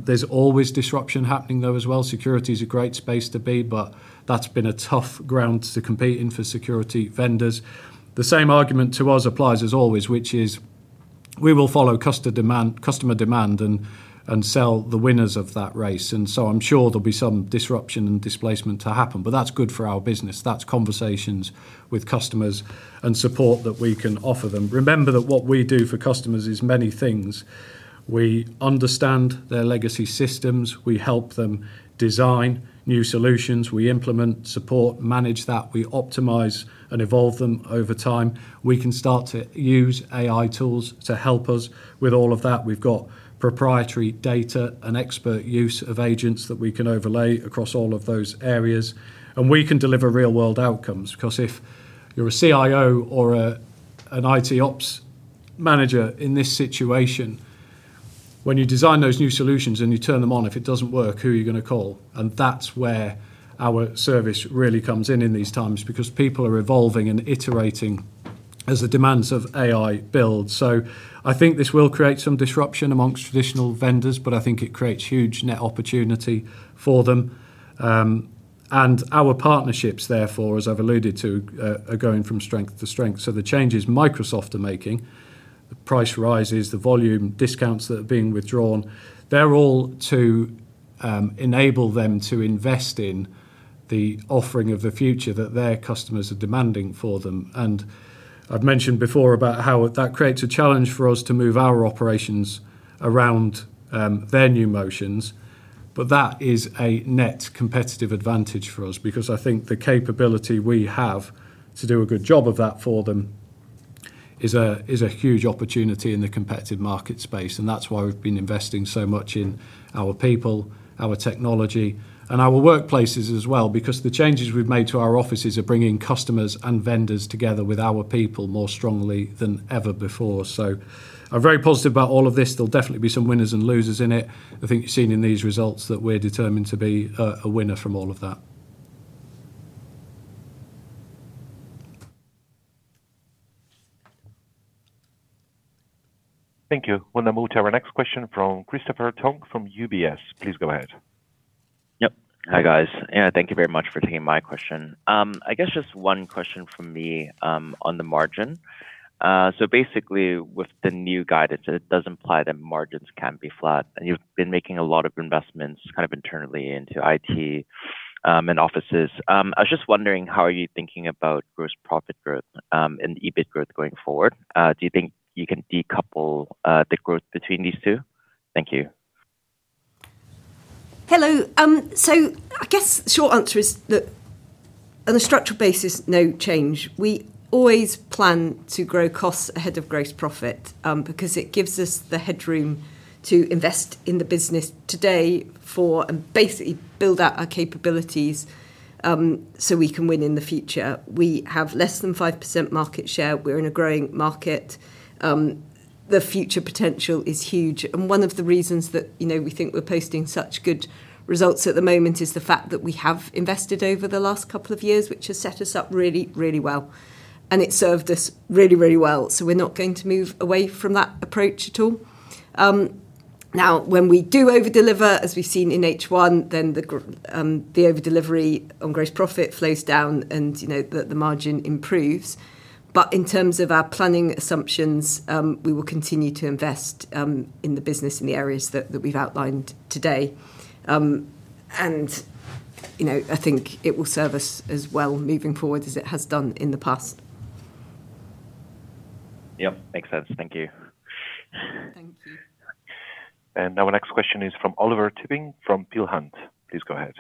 There's always disruption happening though as well. Security is a great space to be, but that's been a tough ground to compete in for security vendors. The same argument to us applies as always, which is we will follow customer demand and sell the winners of that race. I'm sure there'll be some disruption and displacement to happen, but that's good for our business. That's conversations with customers and support that we can offer them. Remember that what we do for customers is many things. We understand their legacy systems. We help them design new solutions. We implement, support, manage that. We optimize and evolve them over time. We can start to use AI tools to help us with all of that. We've got proprietary data and expert use of agents that we can overlay across all of those areas, and we can deliver real world outcomes. Because if you're a CIO or a, an IT ops manager in this situation, when you design those new solutions and you turn them on, if it doesn't work, who are you gonna call? That's where our service really comes in in these times, because people are evolving and iterating as the demands of AI build. I think this will create some disruption amongst traditional vendors, but it creates huge net opportunity for them. Our partnerships, therefore, as I've alluded to, are going from strength to strength. The changes Microsoft are making, the price rises, the volume discounts that are being withdrawn, they're all to enable them to invest in the offering of the future that their customers are demanding for them. I've mentioned before about how that creates a challenge for us to move our operations around their new motions. That is a net competitive advantage for us, because I think the capability we have to do a good job of that for them is a huge opportunity in the competitive market space. That's why we've been investing so much in our people, our technology, and our workplaces as well, because the changes we've made to our offices are bringing customers and vendors together with our people more strongly than ever before. I'm very positive about all of this. There'll definitely be some winners and losers in it. You've seen in these results that we're determined to be a winner from all of that. Thank you. We'll now move to our next question from Christopher Tong from UBS. Please go ahead. Yep. Hi, guys. Thank you very much for taking my question. I guess just one question from me, on the margin. Basically with the new guidance, it does imply that margins can be flat, and you've been making a lot of investments kind of internally into IT, and offices. I was just wondering how are you thinking about gross profit growth, and EBIT growth going forward? Do you think you can decouple the growth between these two? Thank you. Hello. I guess short answer is that on a structural basis, no change. We always plan to grow costs ahead of gross profit, because it gives us the headroom to invest in the business today and basically build out our capabilities, so we can win in the future. We have less than 5% market share. We're in a growing market. The future potential is huge. One of the reasons, We think we're posting such good results at the moment is the fact that we have invested over the last couple of years, which has set us up really well, and it served us really well. We're not going to move away from that approach at all. Now, when we do overdeliver, as we've seen in H1, then the overdelivery on gross profit flows down and, you know, the margin improves. In terms of our planning assumptions, we will continue to invest in the business in the areas that we've outlined today. It will serve us as well moving forward as it has done in the past. Yep. Makes sense. Thank you. Thank you. Our next question is from Oliver Tipping from Peel Hunt. Please go ahead.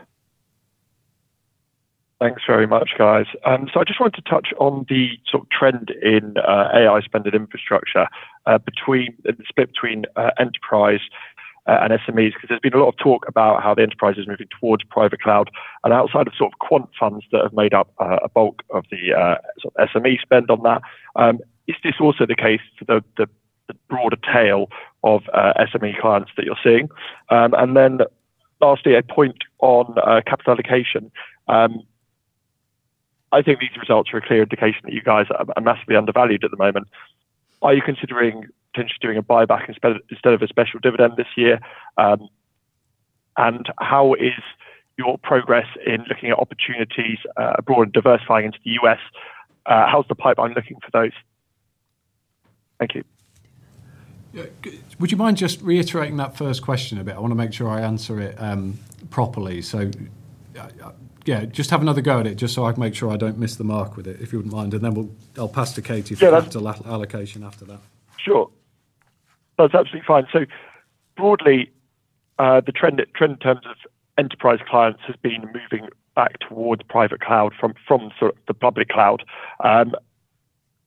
Thanks very much, guys. I just wanted to touch on the sort of trend in AI spend and infrastructure between the split between enterprise and SMEs, 'cause there's been a lot of talk about how the enterprise is moving towards private cloud. Outside of sort of quant funds that have made up a bulk of the sort of SME spend on that, is this also the case for the broader tail of SME clients that you're seeing? Last, a point on capital allocation. These results are a clear indication that you guys are massively undervalued at the moment. Are you considering potentially doing a buyback instead of a special dividend this year? How is your progress in looking at opportunities abroad and diversifying into the US? How's the pipeline looking for those? Thank you. Would you mind just reiterating that first question a bit? I wanna make sure I answer it properly. Just have another go at it just so I can make sure I don't miss the mark with it, if you wouldn't mind. Then I'll pass to Katy. Sure. The capital allocation after that. Sure. No, it's absolutely fine. Broadly, the trend in terms of enterprise clients has been moving back towards private cloud from sort of the public cloud.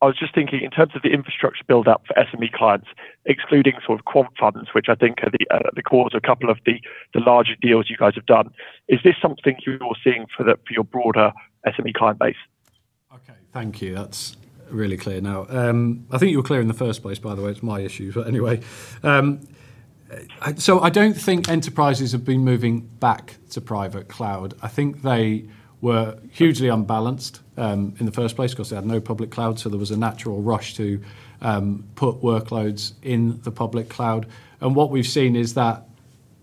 I was just thinking in terms of the infrastructure build-up for SME clients, excluding sort of quant funds, which I think are the core to a couple of the larger deals you guys have done. Is this something you're seeing for your broader SME client base? Okay. Thank you. That's really clear now. I think you were clear in the first place, by the way. It's my issue. Anyway. I don't think enterprises have been moving back to private cloud. I think they were hugely unbalanced in the first place 'cause they had no public cloud, so there was a natural rush to put workloads in the public cloud. What we've seen is that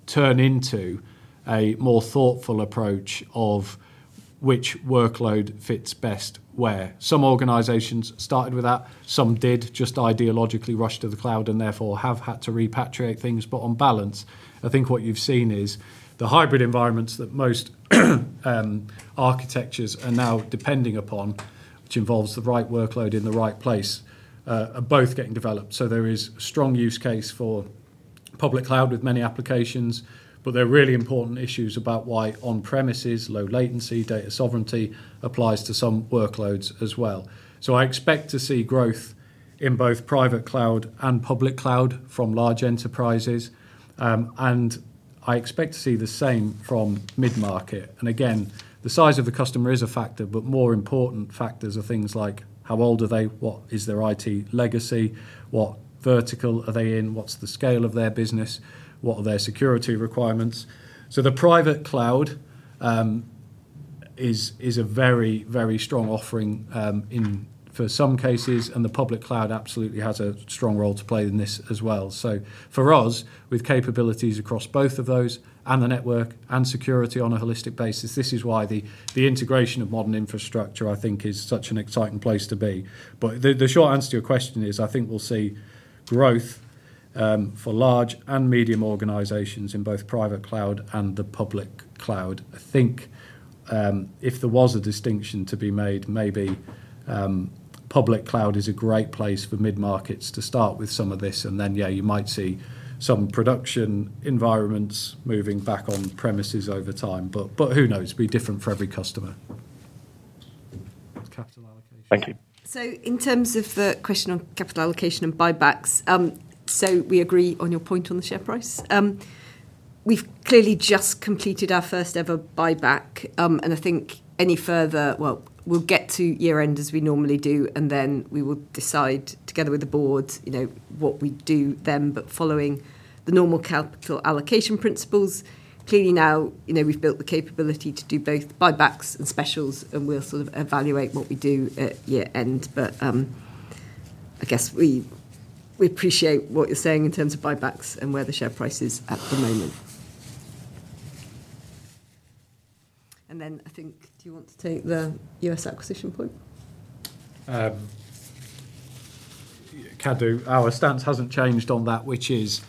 turn into a more thoughtful approach of which workload fits best where. Some organizations started with that. Some did just ideologically rush to the cloud and therefore have had to repatriate things. On balance, What you've seen is the hybrid environments that most architectures are now depending upon, which involves the right workload in the right place are both getting developed. There is a strong use case for public cloud with many applications, but there are really important issues about why on-premises, low latency, data sovereignty applies to some workloads as well. I expect to see growth in both private cloud and public cloud from large enterprises, and I expect to see the same from mid-market. Again, the size of the customer is a factor, but more important factors are things like how old are they? What is their IT legacy? What vertical are they in? What's the scale of their business? What are their security requirements? The private cloud is a very strong offering for some cases, and the public cloud absolutely has a strong role to play in this as well. For us, with capabilities across both of those and the network and security on a holistic basis, this is why the integration of modern infrastructure, Is such an exciting place to be. But the short answer to your question is, We'll see growth for large and medium organizations in both private cloud and the public cloud. If there was a distinction to be made, maybe, public cloud is a great place for mid-markets to start with some of this. Then you might see some production environments moving back on premises over time. But who knows? It'll be different for every customer. Capital allocation. Thank you. In terms of the question on capital allocation and buybacks, so we agree on your point on the share price. We've clearly just completed our first ever buyback. Well, we'll get to year-end as we normally do, and then we will decide together with the board, you know, what we do then. Following the normal capital allocation principles, clearly now we've built the capability to do both buybacks and specials, and we'll sort of evaluate what we do at year-end. I guess we appreciate what you're saying in terms of buybacks and where the share price is at the moment. do you want to take the U.S. acquisition point? Can do. Our stance hasn't changed on that, which is,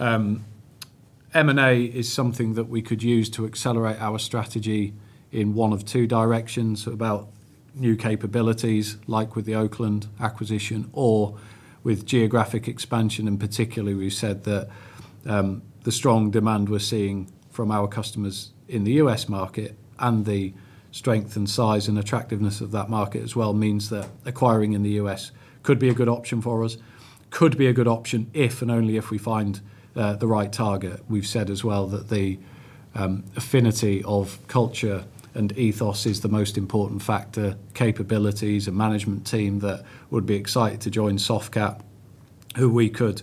M&A is something that we could use to accelerate our strategy in one of two directions about new capabilities, like with the Oakland acquisition or with geographic expansion. Particularly, we've said that, the strong demand we're seeing from our customers in the U.S. market and the strength and size and attractiveness of that market as well means that acquiring in the U.S. could be a good option for us. Could be a good option if and only if we find, the right target. We've said as well that the, affinity of culture and ethos is the most important factor. Capabilities, a management team that would be excited to join Softcat, who we could,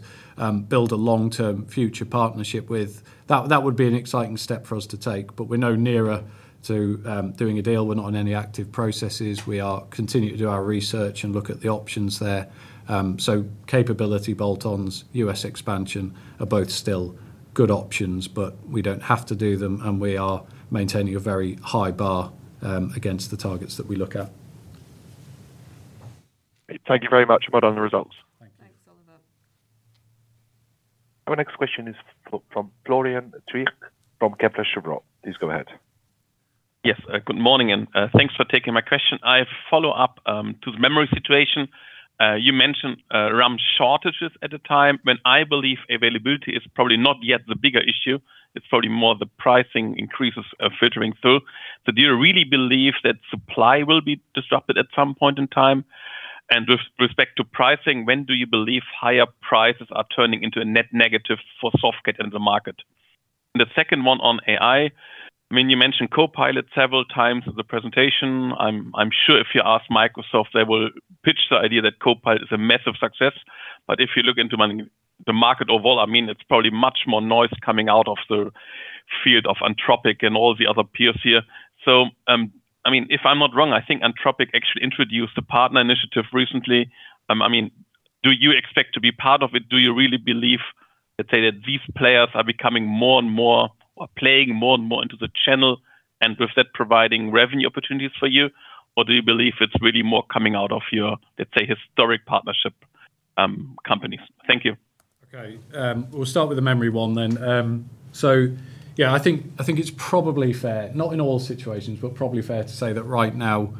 build a long-term future partnership with. That would be an exciting step for us to take. We're no nearer to doing a deal. We're not on any active processes. We are continuing to do our research and look at the options there. Capability bolt-ons, U.S. expansion are both still good options, but we don't have to do them, and we are maintaining a very high bar against the targets that we look at. Thank you very much. Well done on the results. Thank you. Thanks, Oliver. Our next question is from Florian Treisch from Kepler Cheuvreux. Please go ahead. Yes. Good morning, and thanks for taking my question. I have follow-up to the memory situation. You mentioned RAM shortages at the time, when I believe availability is probably not yet the bigger issue. It's probably more the pricing increases filtering through. Do you really believe that supply will be disrupted at some point in time? With respect to pricing, when do you believe higher prices are turning into a net negative for Softcat in the market? The second one on AI, You mentioned Copilot several times in the presentation. I'm sure if you ask Microsoft, they will pitch the idea that Copilot is a massive success. But if you look into the market overall, It's probably much more noise coming out of the field of Anthropic and all the other peers here. If I'm not wrong, Anthropic actually introduced a partner initiative recently. I mean, do you expect to be part of it? Do you really believe, let's say, that these players are becoming more and more or playing more and more into the channel, and with that providing revenue opportunities for you? Or do you believe it's really more coming out of your, let's say, historic partnership companies? Thank you. Okay. We'll start with the memory one then. It's probably fair, not in all situations, but probably fair to say that right now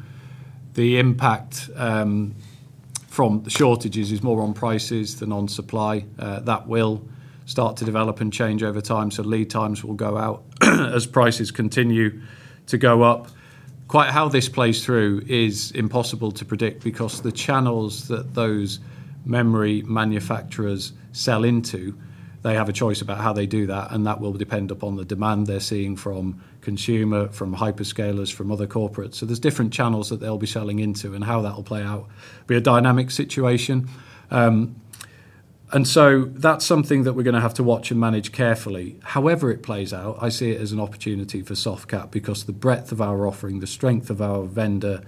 the impact from the shortages is more on prices than on supply. That will start to develop and change over time, so lead times will go out as prices continue to go up. Quite how this plays through is impossible to predict because the channels that those memory manufacturers sell into, they have a choice about how they do that, and that will depend upon the demand they're seeing from consumer, from hyperscalers, from other corporates. There's different channels that they'll be selling into and how that will play out, be a dynamic situation. That's something that we're gonna have to watch and manage carefully. However it plays out, I see it as an opportunity for Softcat because the breadth of our offering, the strength of our vendor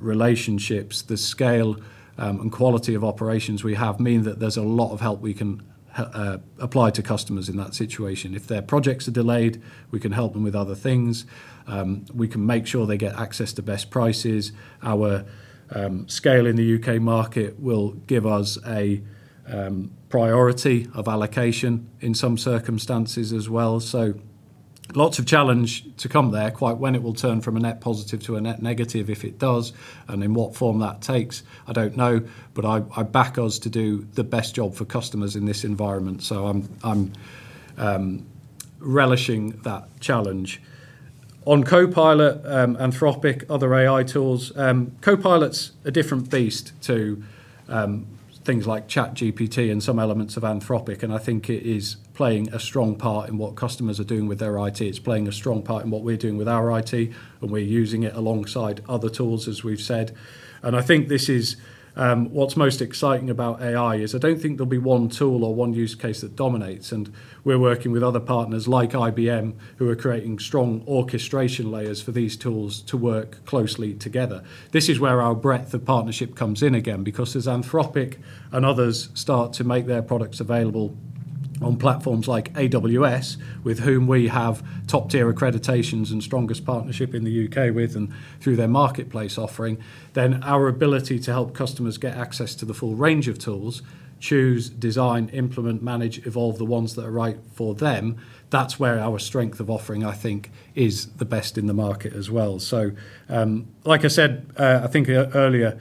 relationships, the scale and quality of operations we have mean that there's a lot of help we can apply to customers in that situation. If their projects are delayed, we can help them with other things. We can make sure they get access to best prices. Our scale in the UK market will give us a priority of allocation in some circumstances as well. Lots of challenge to come there. Quite when it will turn from a net positive to a net negative, if it does, and in what form that takes, I don't know, but I back us to do the best job for customers in this environment. I'm relishing that challenge. On Copilot, Anthropic, other AI tools, Copilot's a different beast to things like ChatGPT and some elements of Anthropic, and It is playing a strong part in what customers are doing with their IT. It's playing a strong part in what we're doing with our IT, and we're using it alongside other tools, as we've said. I think this is. What's most exciting about AI is I don't think there'll be one tool or one use case that dominates. We're working with other partners like IBM, who are creating strong orchestration layers for these tools to work closely together. This is where our breadth of partnership comes in again, because as Anthropic and others start to make their products available on platforms like AWS, with whom we have top-tier accreditations and strongest partnership in the U.K. with and through their marketplace offering, then our ability to help customers get access to the full range of tools, choose, design, implement, manage, evolve the ones that are right for them, that's where our strength of offering, The best in the market as well. Like I said, earlier,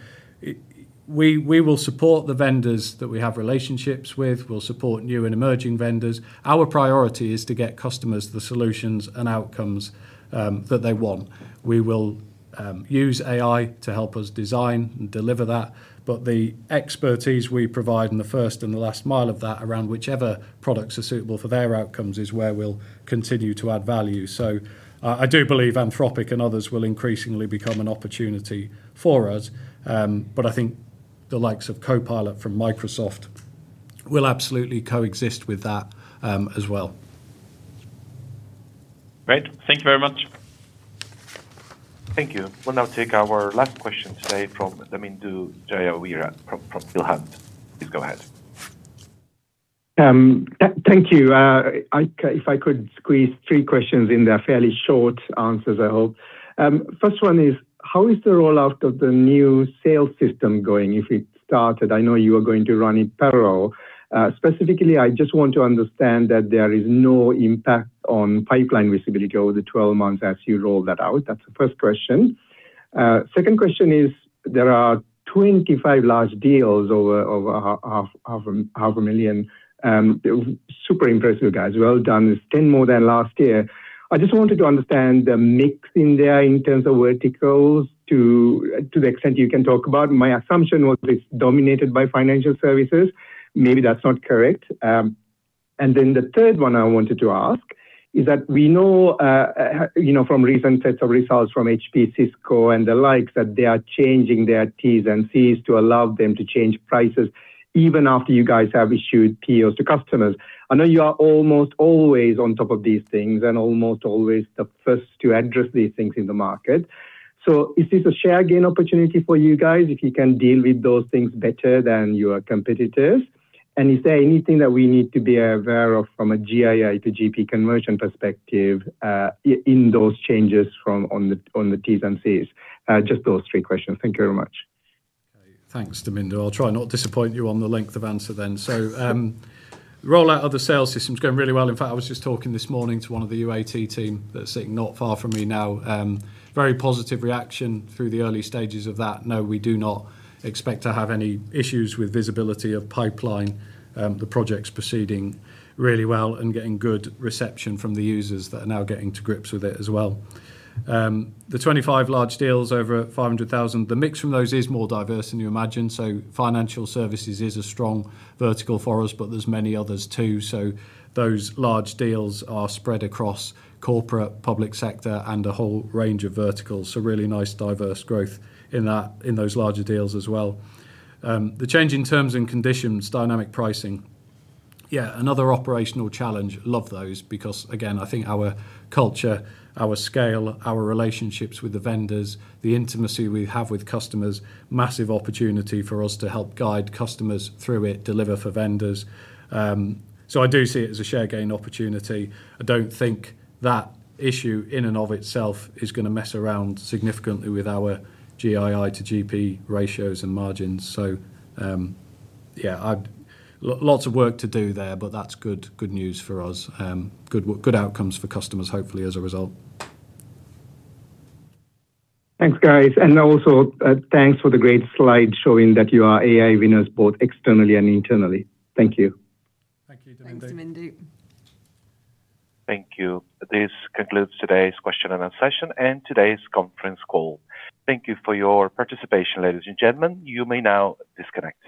we will support the vendors that we have relationships with. We'll support new and emerging vendors. Our priority is to get customers the solutions and outcomes that they want. We will use AI to help us design and deliver that, but the expertise we provide in the first and the last mile of that around whichever products are suitable for their outcomes is where we'll continue to add value. I do believe Anthropic and others will increasingly become an opportunity for us, but I think the likes of Copilot from Microsoft will absolutely coexist with that, as well. Great. Thank you very much. Thank you. We'll now take our last question today from Damindu Jayaweera from Peel Hunt. Please go ahead. Thank you. If I could squeeze three questions in there, fairly short answers, I hope. First one is how is the rollout of the new sales system going if it started? I know you are going to run in parallel. Specifically, I just want to understand that there is no impact on pipeline visibility over the 12 months as you roll that out. That's the first question. Second question is there are 25 large deals over GBP half a million. Super impressive, guys. Well done. It's 10 more than last year. I just wanted to understand the mix in there in terms of verticals to the extent you can talk about. My assumption was it's dominated by financial services. Maybe that's not correct. Then the third one I wanted to ask is that we know from recent sets of results from HP, Cisco, and the likes that they are changing their T&Cs to allow them to change prices even after you guys have issued POs to customers. You are almost always on top of these things and almost always the first to address these things in the market. So is this a share gain opportunity for you guys if you can deal with those things better than your competitors? And is there anything that we need to be aware of from a GII to GP conversion perspective, in those changes to the T&Cs? Just those three questions. Thank you very much. Okay. Thanks, Damindu. I'll try and not disappoint you on the length of answer then. Rollout of the sales system is going really well. In fact, I was just talking this morning to one of the UAT team that's sitting not far from me now. Very positive reaction through the early stages of that. No, we do not expect to have any issues with visibility of pipeline. The project's proceeding really well and getting good reception from the users that are now getting to grips with it as well. The 25 large deals over 500,000, the mix from those is more diverse than you imagine. Financial services is a strong vertical for us, but there's many others too. Those large deals are spread across corporate, public sector, and a whole range of verticals. Really nice diverse growth in that, in those larger deals as well. The change in terms and conditions, dynamic pricing. Yeah, another operational challenge. Love those because, again, I think our culture, our scale, our relationships with the vendors, the intimacy we have with customers, massive opportunity for us to help guide customers through it, deliver for vendors. I do see it as a share gain opportunity. I don't think that issue in and of itself is gonna mess around significantly with our GII to GP ratios and margins. Lots of work to do there, but that's good news for us. Good outcomes for customers hopefully as a result. Thanks, guys. Also, thanks for the great slide showing that you are AI winners both externally and internally. Thank you. Thank you, Damindu. Thanks, Damindu. Thank you. This concludes today's question and answer session and today's conference call. Thank you for your participation, ladies and gentlemen. You may now disconnect.